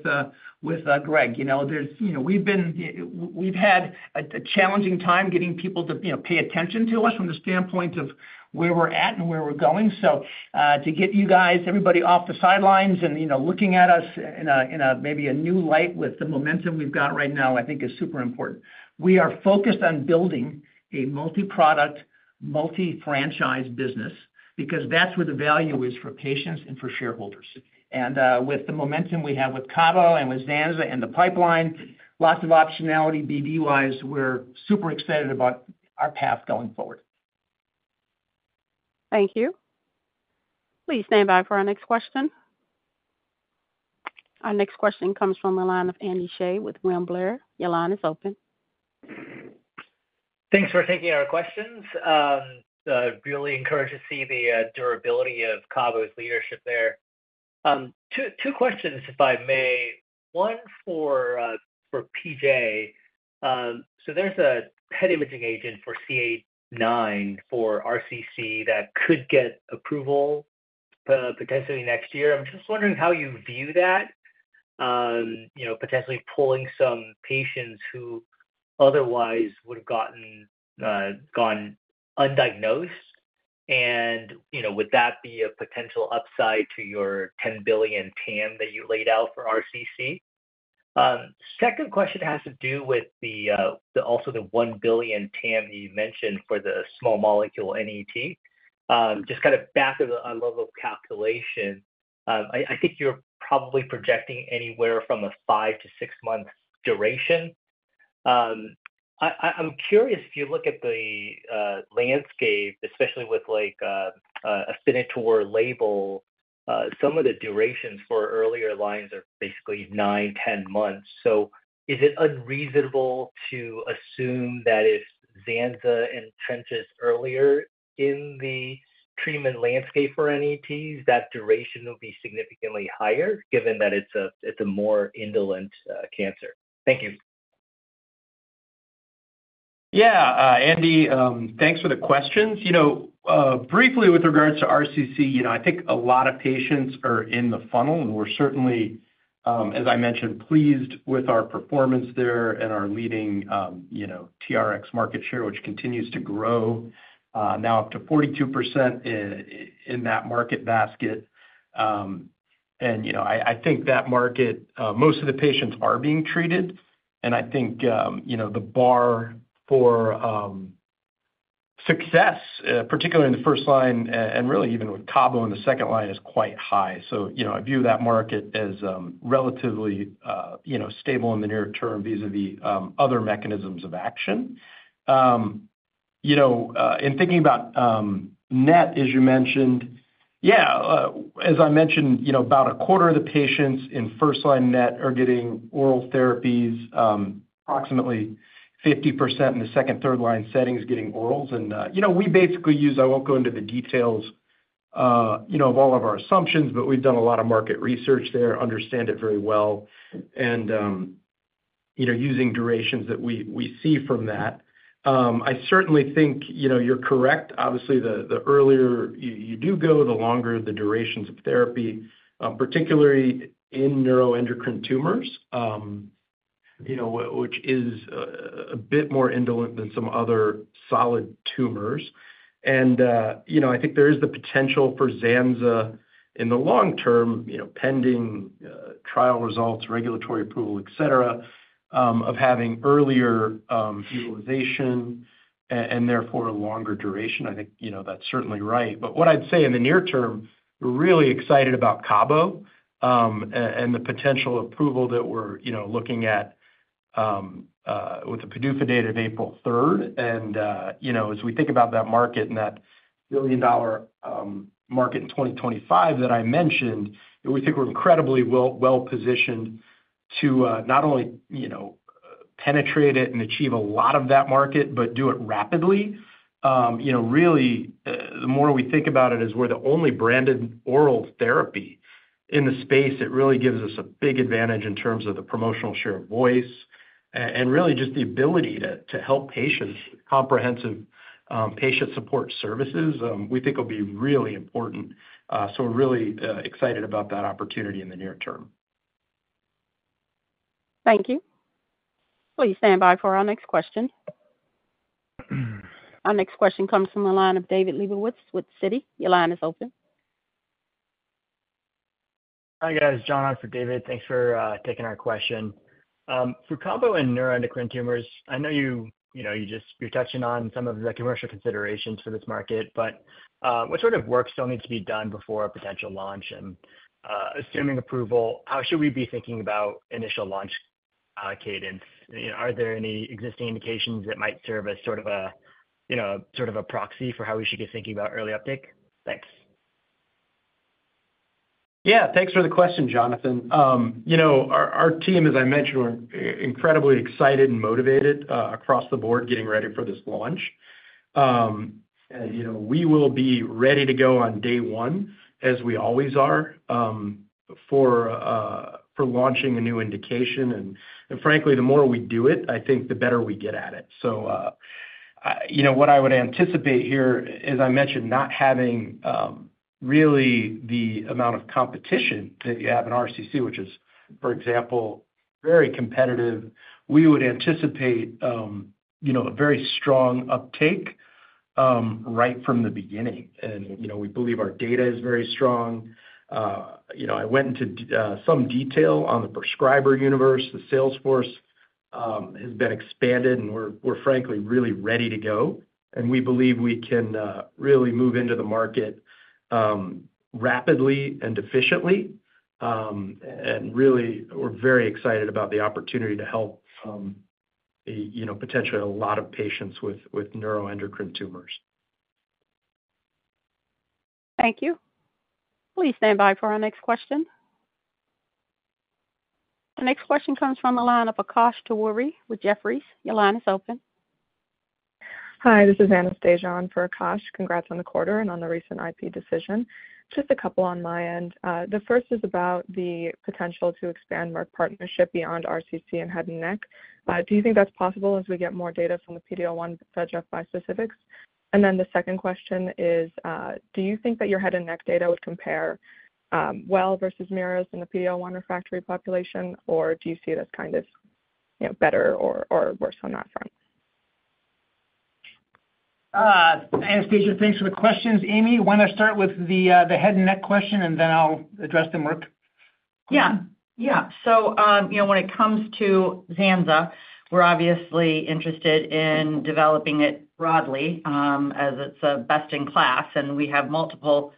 Greg, we've had a challenging time getting people to pay attention to us from the standpoint of where we're at and where we're going. So to get you guys, everybody off the sidelines and looking at us in maybe a new light with the momentum we've got right now, I think is super important. We are focused on building a multi-product, multi-franchise business because that's where the value is for patients and for shareholders, and with the momentum we have with Cabo and with Zanza and the pipeline, lots of optionality BD-wise, we're super excited about our path going forward. Thank you. Please stand by for our next question. Our next question comes from the line of Andy Hsieh with William Blair. Your line is open. Thanks for taking our questions. Really encouraged to see the durability of Cabo's leadership there. Two questions, if I may. One for P.J. So there's a head imaging agent for CA9 for RCC that could get approval potentially next year. I'm just wondering how you view that, potentially pulling some patients who otherwise would have gone undiagnosed. And would that be a potential upside to your 10 billion TAM that you laid out for RCC? Second question has to do with also the 1 billion TAM that you mentioned for the small molecule NET. Just kind of back-of-the-envelope level of calculation, I think you're probably projecting anywhere from a five- to six-month duration. I'm curious if you look at the landscape, especially with an Afinitor label, some of the durations for earlier lines are basically 9-10 months. So is it unreasonable to assume that if Zanza entrenches earlier in the treatment landscape for NETs, that duration will be significantly higher given that it's a more indolent cancer? Thank you. Yeah, Andy, thanks for the questions. Briefly, with regards to RCC, I think a lot of patients are in the funnel. And we're certainly, as I mentioned, pleased with our performance there and our leading TRx market share, which continues to grow now up to 42% in that market basket. And I think that market, most of the patients are being treated. And I think the bar for success, particularly in the first line and really even with Cabo in the second line, is quite high. So I view that market as relatively stable in the near term vis-à-vis other mechanisms of action. In thinking about net, as you mentioned, yeah, as I mentioned, about a quarter of the patients in first-line net are getting oral therapies, approximately 50% in the second, third-line settings getting orals. And we basically use, I won't go into the details of all of our assumptions, but we've done a lot of market research there, understand it very well. And using durations that we see from that, I certainly think you're correct. Obviously, the earlier you do go, the longer the durations of therapy, particularly in neuroendocrine tumors, which is a bit more indolent than some other solid tumors. And I think there is the potential for Zanza in the long term, pending trial results, regulatory approval, etc., of having earlier utilization and therefore a longer duration. I think that's certainly right. But what I'd say in the near term, we're really excited about Cabo and the potential approval that we're looking at with the PDUFA date of April 3rd. And as we think about that market and that billion-dollar market in 2025 that I mentioned, we think we're incredibly well-positioned to not only penetrate it and achieve a lot of that market, but do it rapidly. Really, the more we think about it as we're the only branded oral therapy in the space, it really gives us a big advantage in terms of the promotional share of voice and really just the ability to help patients, comprehensive patient support services. We think it'll be really important. So we're really excited about that opportunity in the near term. Thank you. Please stand by for our next question. Our next question comes from the line of David Lebovitz with Citi. Your line is open. Hi, guys. John, I'm for David. Thanks for taking our question. For Cabo and neuroendocrine tumors, I know you're touching on some of the commercial considerations for this market, but what sort of work still needs to be done before a potential launch? And assuming approval, how should we be thinking about initial launch cadence? Are there any existing indications that might serve as sort of a sort of a proxy for how we should get thinking about early uptake? Thanks. Yeah, thanks for the question, Jonathan. Our team, as I mentioned, we're incredibly excited and motivated across the board getting ready for this launch. And we will be ready to go on day one, as we always are, for launching a new indication. And frankly, the more we do it, I think the better we get at it. So what I would anticipate here, as I mentioned, not having really the amount of competition that you have in RCC, which is, for example, very competitive, we would anticipate a very strong uptake right from the beginning. And we believe our data is very strong. I went into some detail on the prescriber universe. The salesforce has been expanded, and we're frankly really ready to go. And we believe we can really move into the market rapidly and efficiently. And really, we're very excited about the opportunity to help potentially a lot of patients with neuroendocrine tumors. Thank you. Please stand by for our next question. The next question comes from the line of Akash Tewari with Jefferies. Your line is open. Hi, this is Anastasia on for Akash. Congrats on the quarter and on the recent IP decision. Just a couple on my end. The first is about the potential to expand Merck partnership beyond RCC and head and neck. Do you think that's possible as we get more data from the PD-L1 refractory bispecifics? And then the second question is, do you think that your head and neck data would compare well versus Merus in the PD-L1 refractory population, or do you see it as kind of better or worse on that front? Anastasia, thanks for the questions. Amy, want to start with the head and neck question, and then I'll address the Merck question. Yeah. Yeah. So when it comes to Zanza, we're obviously interested in developing it broadly as it's a best in class. And we have multiple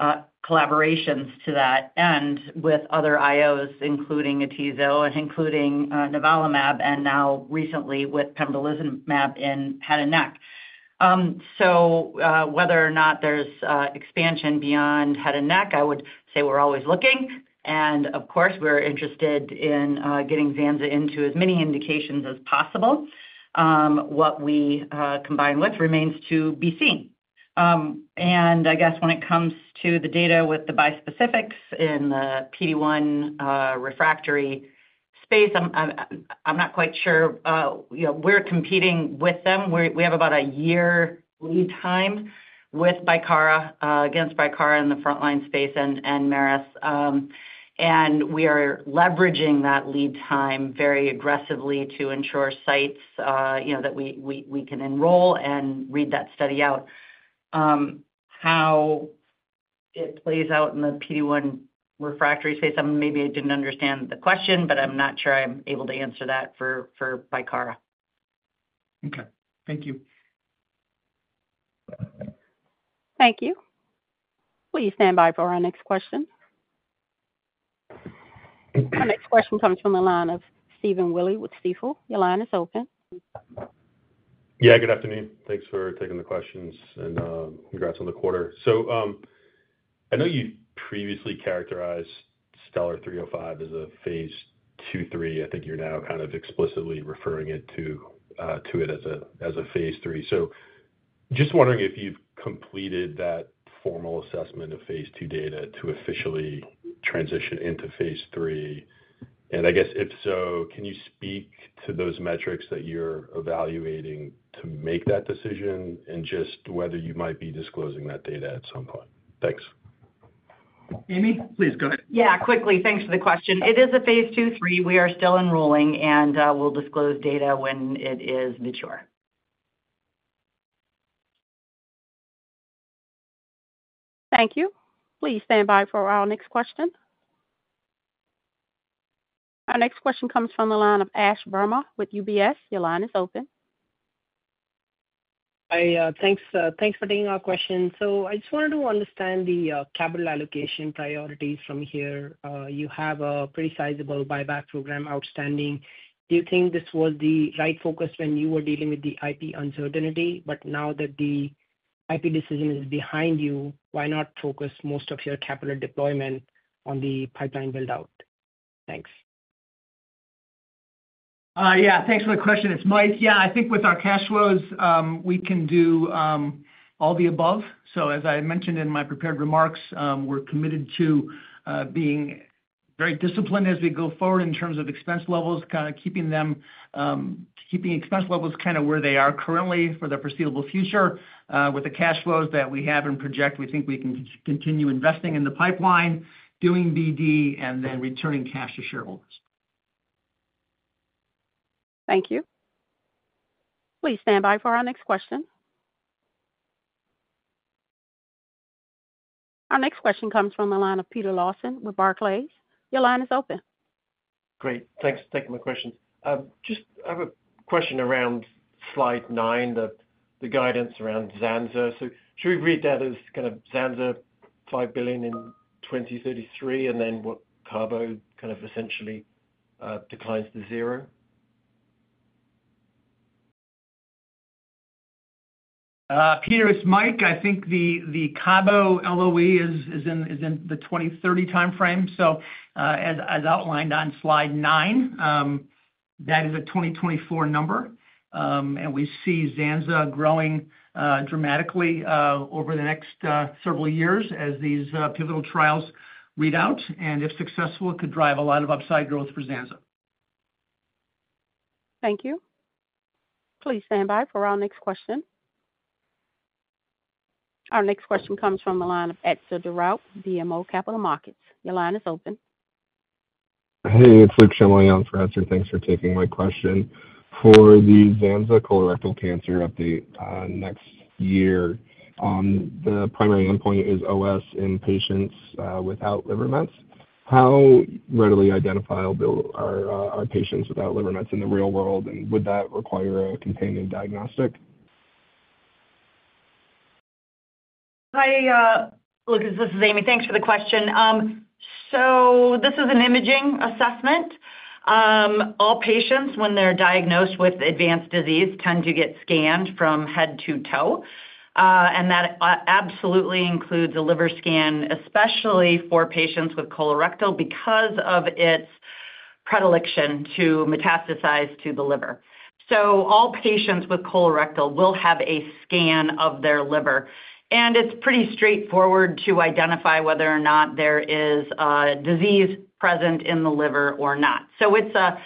collaborations to that end with other IOs, including atezo and including nivolumab, and now recently with pembrolizumab in head and neck. So whether or not there's expansion beyond head and neck, I would say we're always looking. And of course, we're interested in getting Zanza into as many indications as possible. What we combine with remains to be seen. And I guess when it comes to the data with the bispecifics in the PD-1 refractory space, I'm not quite sure we're competing with them. We have about a year lead time with Bicara against Bicara in the frontline space and Merus. And we are leveraging that lead time very aggressively to ensure sites that we can enroll and read that study out. How it plays out in the PD-1 refractory space, maybe I didn't understand the question, but I'm not sure I'm able to answer that for Bicara. Okay. Thank you. Thank you. Please stand by for our next question. Our next question comes from the line of Stephen Willey with Stifel. Your line is open. Yeah, good afternoon. Thanks for taking the questions and congrats on the quarter. So I know you previously characterized Stellar 305 as a phase 2, 3. I think you're now kind of explicitly referring to it as a phase 3. So just wondering if you've completed that formal assessment of phase 2 data to officially transition into phase 3. And I guess if so, can you speak to those metrics that you're evaluating to make that decision and just whether you might be disclosing that data at some point? Thanks. Amy, please go ahead. Yeah, quickly, thanks for the question. It is a phase 2, 3. We are still enrolling, and we'll disclose data when it is mature. Thank you. Please stand by for our next question. Our next question comes from the line of Ash Verma with UBS. Your line is open. Thanks for taking our question. So I just wanted to understand the capital allocation priorities from here. You have a pretty sizable buyback program, outstanding. Do you think this was the right focus when you were dealing with the IP uncertainty? But now that the IP decision is behind you, why not focus most of your capital deployment on the pipeline build-out? Thanks. Yeah. Thanks for the question. It's Mike. Yeah, I think with our cash flows, we can do all the above. So as I mentioned in my prepared remarks, we're committed to being very disciplined as we go forward in terms of expense levels, kind of keeping expense levels kind of where they are currently for the foreseeable future. With the cash flows that we have and project, we think we can continue investing in the pipeline, doing BD, and then returning cash to shareholders. Thank you. Please stand by for our next question. Our next question comes from the line of Peter Lawson with Barclays. Your line is open. Great. Thanks for taking my questions. Just I have a question around slide 9, the guidance around Zanzalintinib. So should we read that as kind of Zanzalintinib $5 billion in 2033, and then what Cabo kind of essentially declines to zero? Peter, it's Mike. I think the Cabo LOE is in the 2030 timeframe. So as outlined on slide 9, that is a 2024 number. And we see Zanzalintinib growing dramatically over the next several years as these pivotal trials read out. And if successful, it could drive a lot of upside growth for Zanzalintinib. Thank you. Please stand by for our next question. Our next question comes from the line of Etzer Darout, BMO Capital Markets. Your line is open. Hey, it's Luke Scheuer for Etzer. Thanks for taking my question. For the Zanzalintinib colorectal cancer update next year, the primary endpoint is OS in patients without liver mets. How readily identifiable are patients without liver mets in the real world? And would that require a companion diagnostic? Hi, Luke. This is Amy. Thanks for the question, so this is an imaging assessment. All patients, when they're diagnosed with advanced disease, tend to get scanned from head to toe, and that absolutely includes a liver scan, especially for patients with colorectal because of its predilection to metastasize to the liver, so all patients with colorectal will have a scan of their liver. It's pretty straightforward to identify whether or not there is a disease present in the liver or not. So it's an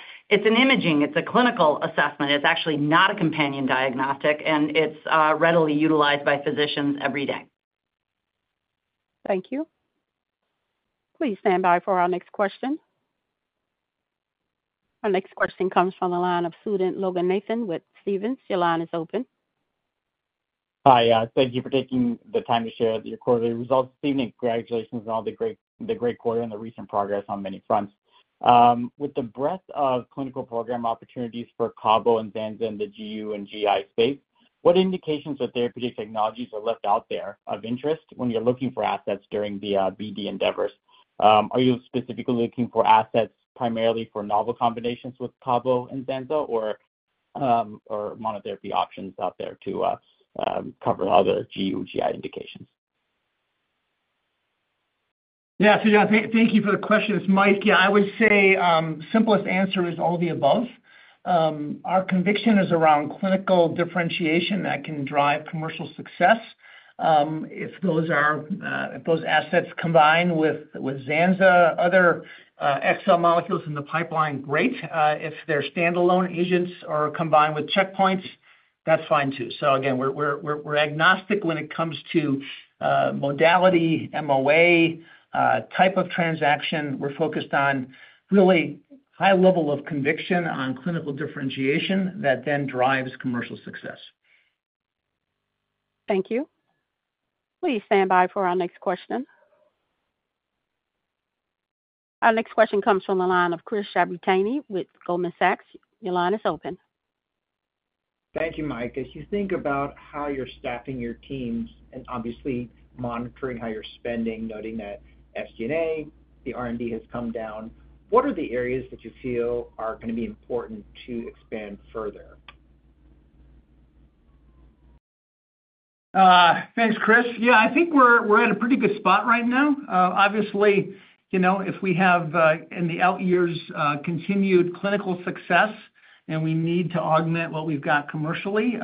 imaging. It's a clinical assessment. It's actually not a companion diagnostic, and it's readily utilized by physicians every day. Thank you. Please stand by for our next question. Our next question comes from the line ofSudan Loganathan with Stephens. Your line is open. Hi. Thank you for taking the time to share your quarterly results this evening. Congratulations on all the great quarter and the recent progress on many fronts. With the breadth of clinical program opportunities for Cabo and Zanza in the GU and GI space, what indications or therapeutic technologies are left out there of interest when you're looking for assets during the BD endeavors? Are you specifically looking for assets primarily for novel combinations with Cabo and Zanza, or are there monotherapy options out there to cover other GU and GI indications? Yeah. So yeah, thank you for the question. It's Mike. Yeah, I would say the simplest answer is all the above. Our conviction is around clinical differentiation that can drive commercial success. If those assets combine with Zanza, other Exelixis molecules in the pipeline, great. If their standalone agents are combined with checkpoints, that's fine too. So again, we're agnostic when it comes to modality, MOA, type of transaction. We're focused on really high level of conviction on clinical differentiation that then drives commercial success. Thank you. Please stand by for our next question. Our next question comes from the line of Chris Shibutani with Goldman Sachs. Your line is open. Thank you, Mike. As you think about how you're staffing your teams and obviously monitoring how you're spending, noting that SG&A, the R&D has come down, what are the areas that you feel are going to be important to expand further? Thanks, Chris. Yeah, I think we're at a pretty good spot right now. Obviously, if we have in the out years continued clinical success and we need to augment what we've got commercially,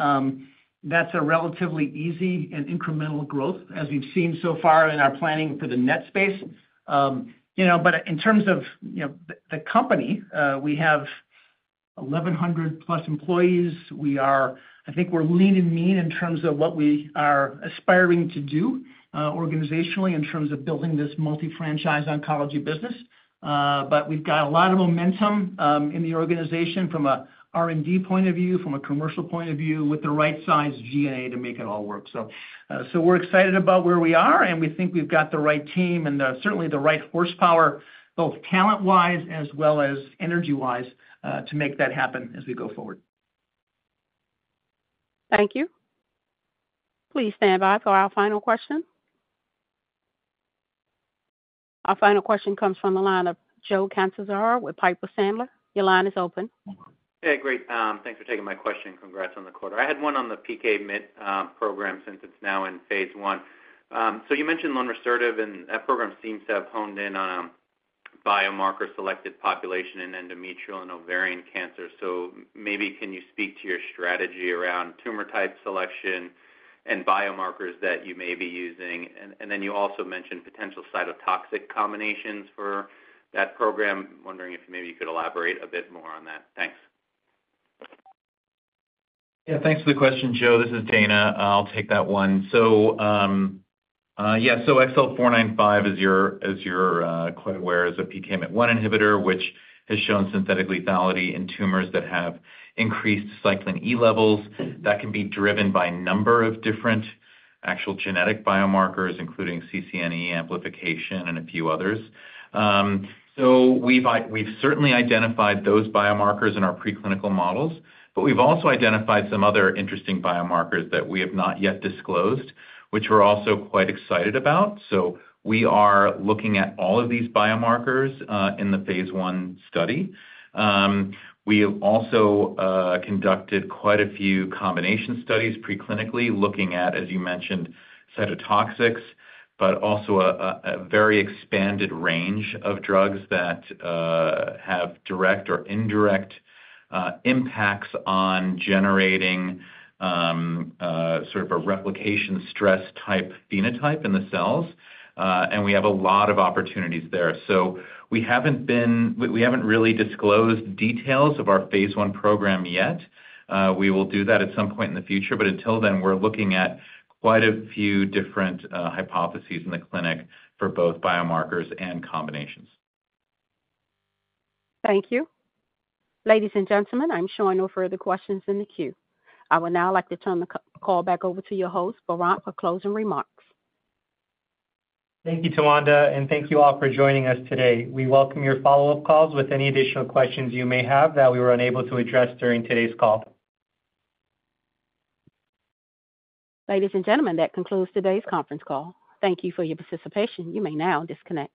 that's a relatively easy and incremental growth as we've seen so far in our planning for the net space. But in terms of the company, we have 1,100-plus employees. I think we're lean and mean in terms of what we are aspiring to do organizationally in terms of building this multi-franchise oncology business. But we've got a lot of momentum in the organization from an R&D point of view, from a commercial point of view, with the right size G&A to make it all work. So we're excited about where we are, and we think we've got the right team and certainly the right horsepower, both talent-wise as well as energy-wise, to make that happen as we go forward. Thank you. Please stand by for our final question. Our final question comes from the line of Joe Catanzaro with Piper Sandler. Your line is open. Hey, great. Thanks for taking my question. Congrats on the quarter. I had one on the PKMYT1 program since it's now in phase 1. So you mentioned lunresertib, and that program seems to have honed in on a biomarker-selected population in endometrial and ovarian cancer. So maybe can you speak to your strategy around tumor type selection and biomarkers that you may be using? And then you also mentioned potential cytotoxic combinations for that program. Wondering if maybe you could elaborate a bit more on that. Thanks. Yeah. Thanks for the question, Joe. This is Dana. I'll take that one. So yeah, so XL495, as you're quite aware, is a PKMYT1 inhibitor, which has shown synthetic lethality in tumors that have increased cyclin E levels. That can be driven by a number of different actual genetic biomarkers, including CCNE amplification and a few others. So we've certainly identified those biomarkers in our preclinical models, but we've also identified some other interesting biomarkers that we have not yet disclosed, which we're also quite excited about. So we are looking at all of these biomarkers in the phase 1 study. We have also conducted quite a few combination studies preclinically looking at, as you mentioned, cytotoxics, but also a very expanded range of drugs that have direct or indirect impacts on generating sort of a replication stress type phenotype in the cells. And we have a lot of opportunities there. So we haven't really disclosed details of our phase one program yet. We will do that at some point in the future. But until then, we're looking at quite a few different hypotheses in the clinic for both biomarkers and combinations. Thank you. Ladies and gentlemen, there are no further questions in the queue. I would now like to turn the call back over to your host, Varant, for closing remarks. Thank you, Tawanda. And thank you all for joining us today. We welcome your follow-up calls with any additional questions you may have that we were unable to address during today's call. Ladies and gentlemen, that concludes today's conference call. Thank you for your participation. You may now disconnect.